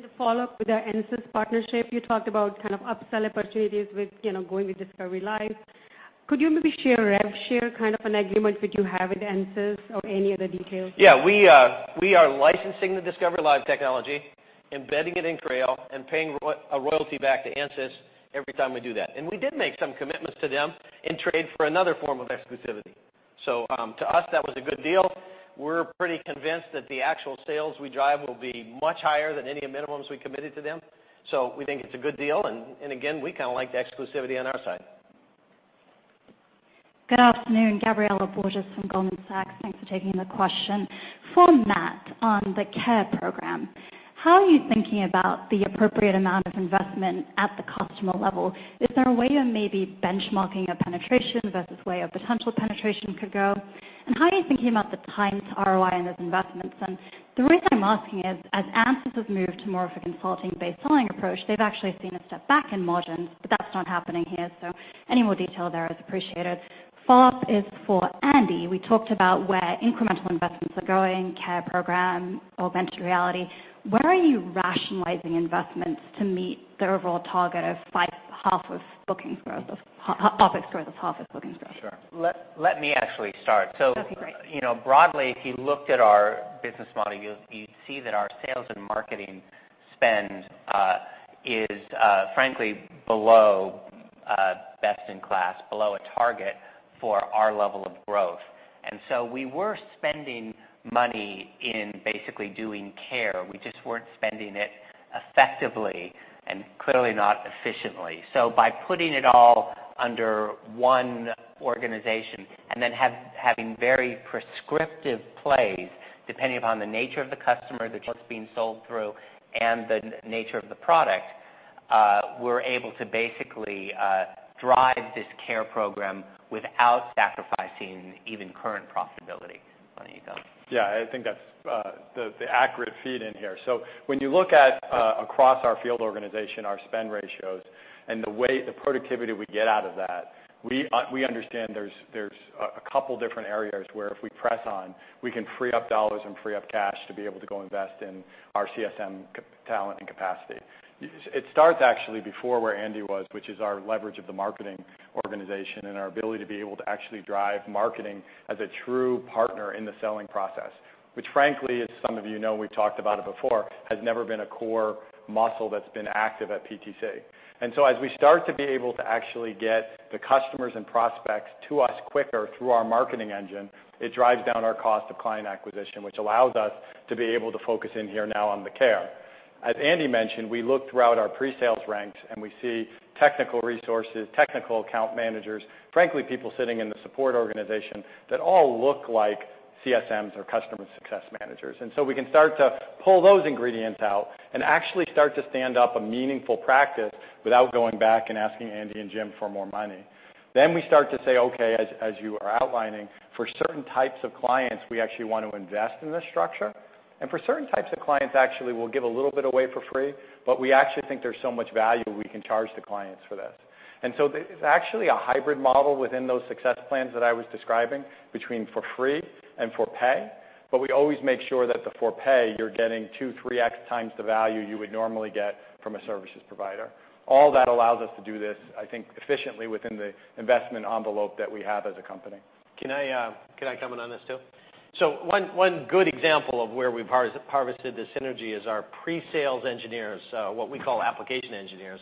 To follow up with the Ansys partnership, you talked about up-sell opportunities with going with Discovery Live. Could you maybe share rev share kind of an agreement that you have with Ansys or any other details? Yeah, we are licensing the Discovery Live technology, embedding it in Creo, and paying a royalty back to Ansys every time we do that. We did make some commitments to them in trade for another form of exclusivity. To us, that was a good deal. We're pretty convinced that the actual sales we drive will be much higher than any minimums we committed to them. We think it's a good deal, and again, we like the exclusivity on our side. Good afternoon, Gabriela Borges from Goldman Sachs. Thanks for taking the question. For Matt, on the CARE program, how are you thinking about the appropriate amount of investment at the customer level? Is there a way of maybe benchmarking a penetration versus a potential penetration could go? How are you thinking about the time to ROI on those investments? The reason I'm asking is, as Ansys has moved to more of a consulting-based selling approach, they've actually seen a step back in margins, but that's not happening here, so any more detail there is appreciated. Follow-up is for Andy. We talked about where incremental investments are going, CARE program, augmented reality. Where are you rationalizing investments to meet the overall target of five half of bookings growth, OpEx growth of half of bookings growth? Sure. Let me actually start. That'd be great. Broadly, if you looked at our business model, you'd see that our sales and marketing spend is, frankly below best in class, below a target for our level of growth. We were spending money in basically doing CARE. We just weren't spending it effectively and clearly not efficiently. By putting it all under one organization and then having very prescriptive plays depending upon the nature of the customer, the trust being sold through, and the nature of the product, we're able to basically drive this CARE program without sacrificing even current profitability. On to you, Jim. Yeah, I think that's the accurate feed in here. When you look at across our field organization, our spend ratios, and the productivity we get out of that, we understand there's a couple different areas where if we press on, we can free up dollars and free up cash to be able to go invest in our CSM talent and capacity. It starts actually before where Andy was, which is our leverage of the marketing organization and our ability to be able to actually drive marketing as a true partner in the selling process, which frankly, as some of you know, we've talked about it before, has never been a core muscle that's been active at PTC. As we start to be able to actually get the customers and prospects to us quicker through our marketing engine, it drives down our cost of client acquisition, which allows us to be able to focus in here now on the CARE. As Andy mentioned, we look throughout our pre-sales ranks, and we see technical resources, technical account managers, frankly, people sitting in the support organization that all look like CSMs or customer success managers. We can start to pull those ingredients out and actually start to stand up a meaningful practice without going back and asking Andy and Jim for more money. We start to say, okay, as you are outlining, for certain types of clients, we actually want to invest in this structure. For certain types of clients, actually, we'll give a little bit away for free, but we actually think there's so much value we can charge the clients for this. It's actually a hybrid model within those success plans that I was describing between for free and for pay, but we always make sure that the for pay, you're getting 2x, 3x times the value you would normally get from a services provider. All that allows us to do this, I think, efficiently within the investment envelope that we have as a company. Can I comment on this, too? One good example of where we've harvested the synergy is our pre-sales engineers, what we call application engineers.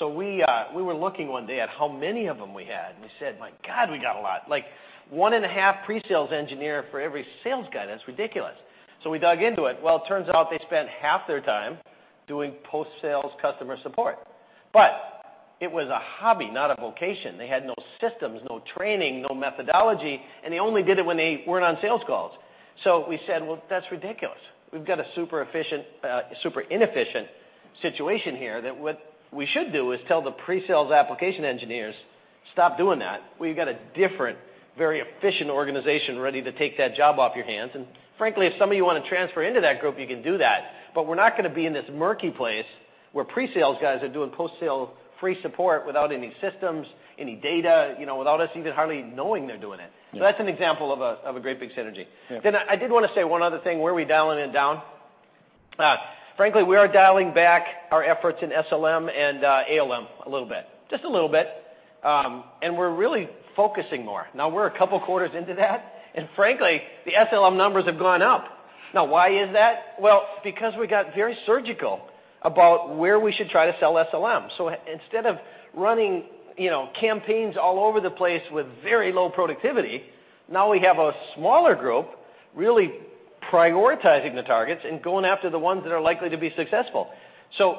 We were looking one day at how many of them we had, and we said, "My God, we got a lot. One and a half pre-sales engineer for every sales guy. That's ridiculous." We dug into it. Well, it turns out they spent half their time doing post-sales customer support. It was a hobby, not a vocation. They had no systems, no training, no methodology, and they only did it when they weren't on sales calls. We said, "Well, that's ridiculous. We've got a super inefficient situation here that what we should do is tell the pre-sales application engineers, stop doing that. We've got a different, very efficient organization ready to take that job off your hands. Frankly, if some of you want to transfer into that group, you can do that. We're not going to be in this murky place where pre-sales guys are doing post-sale free support without any systems, any data, without us even hardly knowing they're doing it. Yeah. That's an example of a great big synergy. Yeah. I did want to say one other thing, where are we dialing it down? Frankly, we are dialing back our efforts in SLM and ALM a little bit. Just a little bit. We're really focusing more. We're a couple quarters into that, and frankly, the SLM numbers have gone up. Why is that? Because we got very surgical about where we should try to sell SLM. Instead of running campaigns all over the place with very low productivity, now we have a smaller group really prioritizing the targets and going after the ones that are likely to be successful.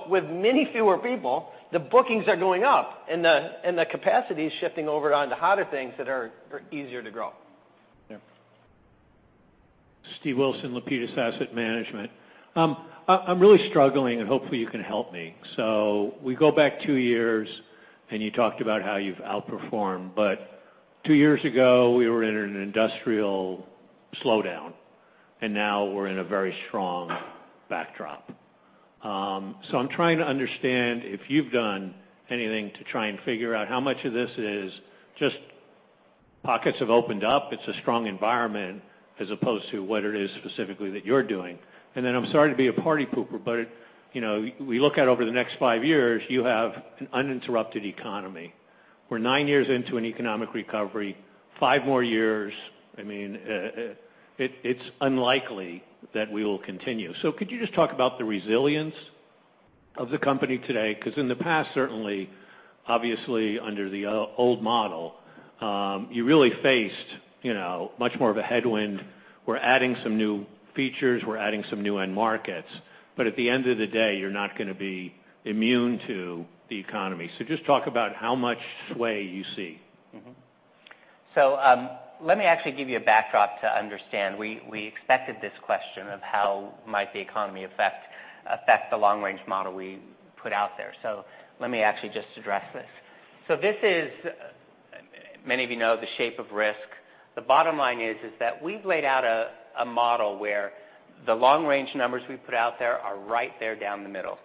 With many fewer people, the bookings are going up, and the capacity is shifting over onto hotter things that are easier to grow. Yeah. Steve Wilson, Lapides Asset Management. I'm really struggling, and hopefully you can help me. We go back two years, and you talked about how you've outperformed. Two years ago, we were in an industrial slowdown, and now we're in a very strong backdrop. I'm trying to understand if you've done anything to try and figure out how much of this is just pockets have opened up, it's a strong environment, as opposed to what it is specifically that you're doing. Then I'm sorry to be a party pooper, but we look out over the next five years, you have an uninterrupted economy. We're nine years into an economic recovery. Five more years, it's unlikely that we will continue. Could you just talk about the resilience of the company today? In the past, certainly, obviously under the old model, you really faced much more of a headwind. We're adding some new features, we're adding some new end markets. At the end of the day, you're not going to be immune to the economy. Just talk about how much sway you see. Let me actually give you a backdrop to understand. We expected this question of how might the economy affect the long-range model we put out there. Let me actually just address this. This is, many of you know, the shape of risk. The bottom line is that we've laid out a model where the long-range numbers we put out there are right there down the middle.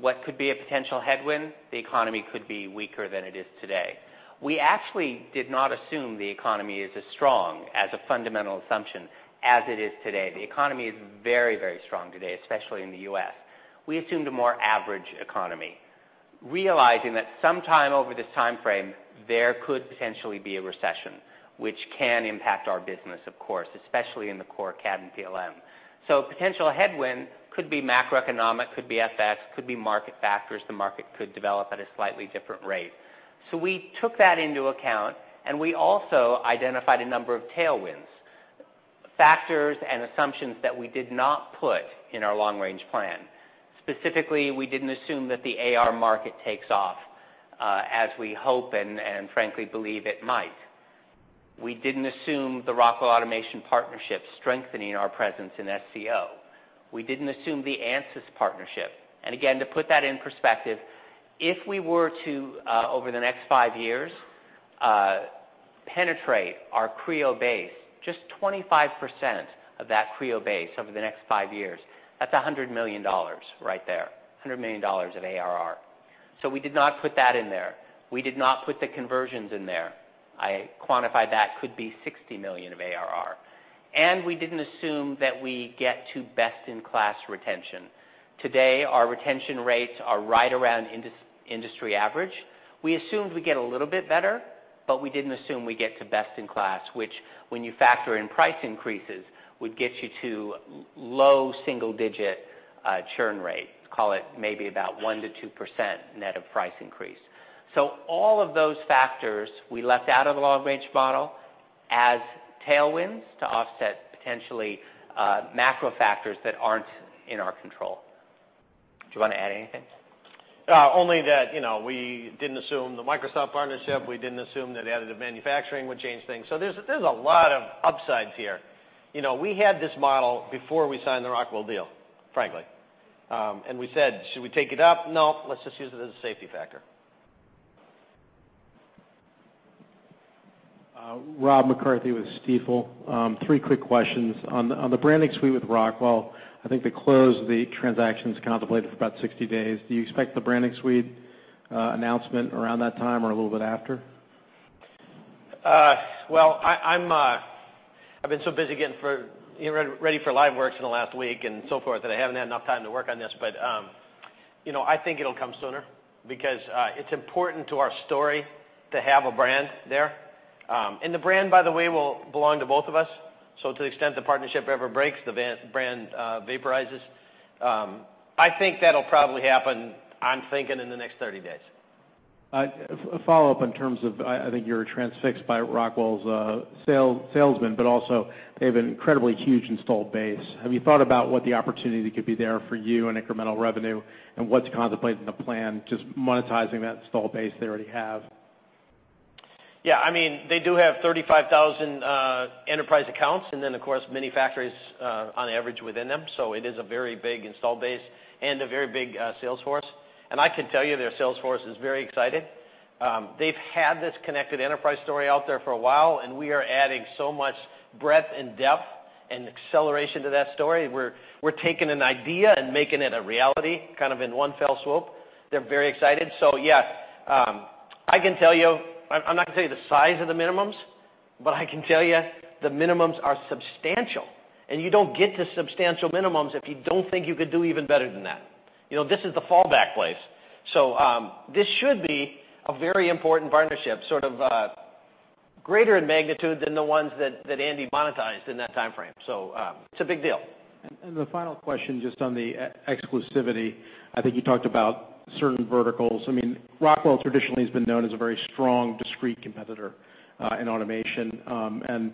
What could be a potential headwind? The economy could be weaker than it is today. We actually did not assume the economy is as strong as a fundamental assumption as it is today. The economy is very strong today, especially in the U.S. We assumed a more average economy, realizing that sometime over this timeframe, there could potentially be a recession, which can impact our business, of course, especially in the core CAD and PLM. A potential headwind could be macroeconomic, could be FX, could be market factors. The market could develop at a slightly different rate. We took that into account, and we also identified a number of tailwinds. Factors and assumptions that we did not put in our long-range plan. Specifically, we didn't assume that the AR market takes off, as we hope, and frankly believe it might. We didn't assume the Rockwell Automation partnership strengthening our presence in SCO. We didn't assume the Ansys partnership. Again, to put that in perspective, if we were to, over the next five years, penetrate our Creo base, just 25% of that Creo base over the next five years, that's $100 million right there, $100 million of ARR. We did not put that in there. We did not put the conversions in there. I quantified that could be $60 million of ARR. We didn't assume that we get to best-in-class retention. Today, our retention rates are right around industry average. We assumed we'd get a little bit better, but we didn't assume we'd get to best in class, which when you factor in price increases, would get you to low single-digit churn rate, call it maybe about 1%-2% net of price increase. All of those factors we left out of the long-range model as tailwinds to offset potentially macro factors that aren't in our control. Do you want to add anything? Only that we didn't assume the Microsoft partnership, we didn't assume that additive manufacturing would change things. There's a lot of upsides here. We had this model before we signed the Rockwell deal, frankly. We said, "Should we take it up? No, let's just use it as a safety factor. Rob McCarthy with Stifel. Three quick questions. On the branding suite with Rockwell, I think the close of the transaction's contemplated for about 60 days. Do you expect the branding suite announcement around that time or a little bit after? Well, I've been so busy getting ready for LiveWorx in the last week and so forth that I haven't had enough time to work on this. I think it'll come sooner because it's important to our story to have a brand there. The brand, by the way, will belong to both of us. To the extent the partnership ever breaks, the brand vaporizes. I think that'll probably happen, I'm thinking, in the next 30 days. A follow-up in terms of, I think you're transfixed by Rockwell's salesmen, but also they have an incredibly huge installed base. Have you thought about what the opportunity could be there for you in incremental revenue and what's contemplated in the plan, just monetizing that installed base they already have? They do have 35,000 enterprise accounts, and then, of course, many factories on average within them. It is a very big installed base and a very big sales force. I can tell you their sales force is very excited. They've had this connected enterprise story out there for a while, and we are adding so much breadth and depth and acceleration to that story. We're taking an idea and making it a reality in one fell swoop. They're very excited. Yeah. I'm not going to tell you the size of the minimums. I can tell you the minimums are substantial, and you don't get to substantial minimums if you don't think you could do even better than that. This is the fallback place. This should be a very important partnership, sort of greater in magnitude than the ones that Andy monetized in that timeframe. It's a big deal. The final question just on the exclusivity, I think you talked about certain verticals. Rockwell traditionally has been known as a very strong, discrete competitor in automation, and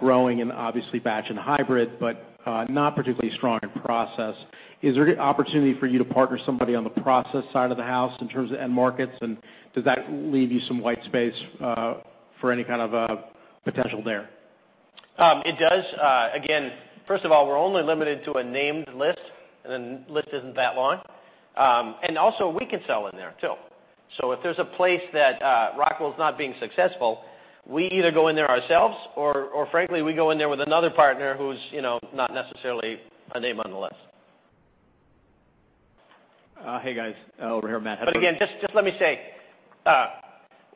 growing in obviously batch and hybrid, but not particularly strong in process. Is there an opportunity for you to partner somebody on the process side of the house in terms of end markets, and does that leave you some white space for any kind of potential there? It does. Again, first of all, we're only limited to a named list, and the list isn't that long. Also, we can sell in there, too. If there's a place that Rockwell's not being successful, we either go in there ourselves or frankly, we go in there with another partner who's not necessarily a name on the list. Hey, guys. Over here, Matt Edwards. Again, just let me say,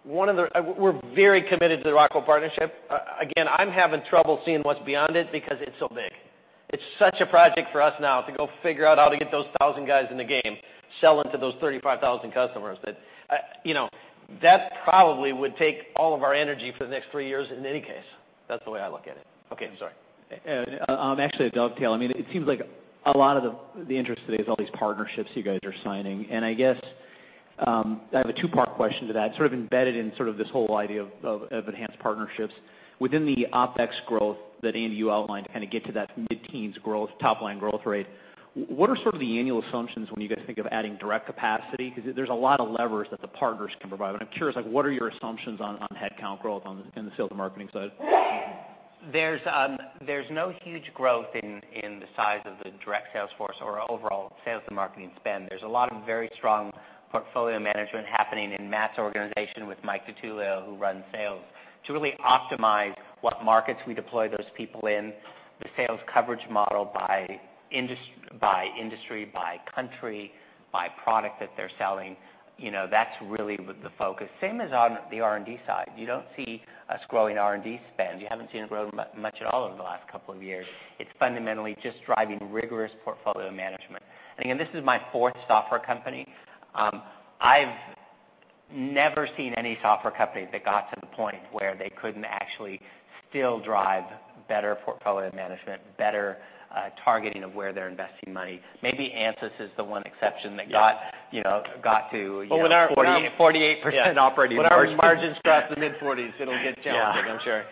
we're very committed to the Rockwell partnership. Again, I'm having trouble seeing what's beyond it because it's so big. It's such a project for us now to go figure out how to get those 1,000 guys in the game, sell into those 35,000 customers. That probably would take all of our energy for the next three years in any case. That's the way I look at it. Okay. I'm sorry. Actually, a dovetail. It seems like a lot of the interest today is all these partnerships you guys are signing. I guess I have a two-part question to that, sort of embedded in sort of this whole idea of enhanced partnerships. Within the OpEx growth that Andy, you outlined to kind of get to that mid-teens growth, top line growth rate, what are sort of the annual assumptions when you guys think of adding direct capacity? Because there's a lot of levers that the partners can provide. I'm curious, like, what are your assumptions on headcount growth on the sales and marketing side? There's no huge growth in the size of the direct sales force or overall sales and marketing spend. There's a lot of very strong portfolio management happening in Matt's organization with Mike DiTullio, who runs sales, to really optimize what markets we deploy those people in, the sales coverage model by industry, by country, by product that they're selling. That's really the focus. Same as on the R&D side. You don't see us growing R&D spend. You haven't seen it grow much at all over the last couple of years. It's fundamentally just driving rigorous portfolio management. Again, this is my fourth software company. I've never seen any software company that got to the point where they couldn't actually still drive better portfolio management, better targeting of where they're investing money. Maybe Ansys is the one exception that got to 48% operating margin. When our margins drop to mid-40s, it'll get challenging, I'm sure.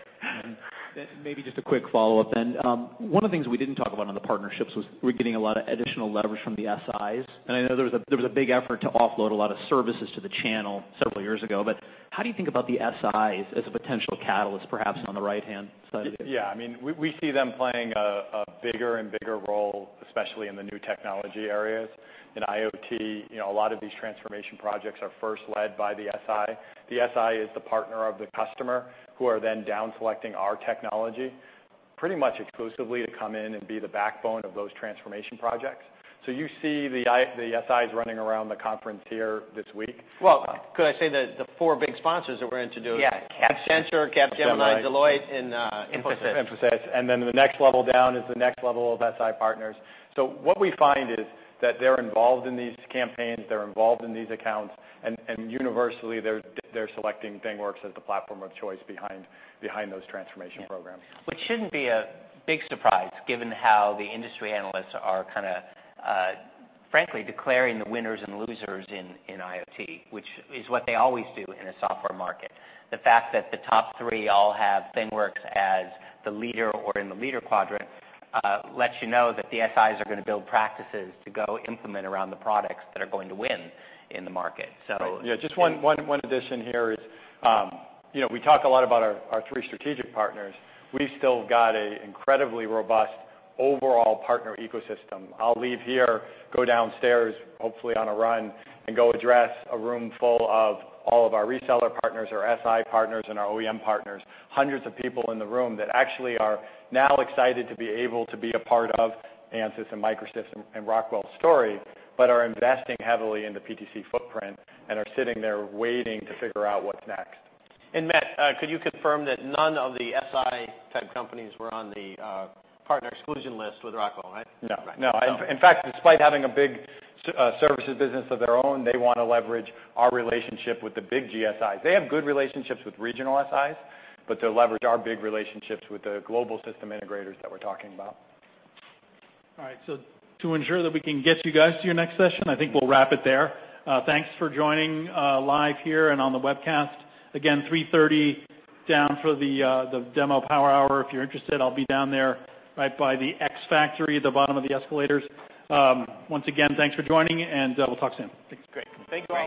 Maybe just a quick follow-up. One of the things we didn't talk about on the partnerships was we're getting a lot of additional leverage from the SIs. I know there was a big effort to offload a lot of services to the channel several years ago, how do you think about the SIs as a potential catalyst, perhaps on the right-hand side? Yeah. We see them playing a bigger and bigger role, especially in the new technology areas. In IoT, a lot of these transformation projects are first led by the SI. The SI is the partner of the customer who are then down selecting our technology pretty much exclusively to come in and be the backbone of those transformation projects. You see the SIs running around the conference here this week. Well, could I say the four big sponsors that we're introducing. Yeah, Capgemini. Accenture, Capgemini, Deloitte, and Infosys. Infosys. The next level down is the next level of SI partners. What we find is that they're involved in these campaigns, they're involved in these accounts, and universally, they're selecting ThingWorx as the platform of choice behind those transformation programs. Which shouldn't be a big surprise given how the industry analysts are kind of frankly declaring the winners and losers in IoT. Which is what they always do in a software market. The fact that the top three all have ThingWorx as the leader or in the leader quadrant lets you know that the SIs are going to build practices to go implement around the products that are going to win in the market. Just one addition here is we talk a lot about our three strategic partners. We've still got an incredibly robust overall partner ecosystem. I'll leave here, go downstairs, hopefully on a run, and go address a room full of all of our reseller partners, our SI partners, and our OEM partners, hundreds of people in the room that actually are now excited to be able to be a part of the Ansys and Microsoft and Rockwell story, but are investing heavily in the PTC footprint and are sitting there waiting to figure out what's next. Matt, could you confirm that none of the SI-type companies were on the partner exclusion list with Rockwell, right? No. Right. In fact, despite having a big services business of their own, they want to leverage our relationship with the big GSIs. They have good relationships with regional SIs, but they'll leverage our big relationships with the global system integrators that we're talking about. All right. To ensure that we can get you guys to your next session, I think we'll wrap it there. Thanks for joining live here and on the webcast. Again, 3:30 down for the demo power hour. If you're interested, I'll be down there right by the X-Factory at the bottom of the escalators. Once again, thanks for joining, and we'll talk soon. Thanks. Great. Thanks, guys.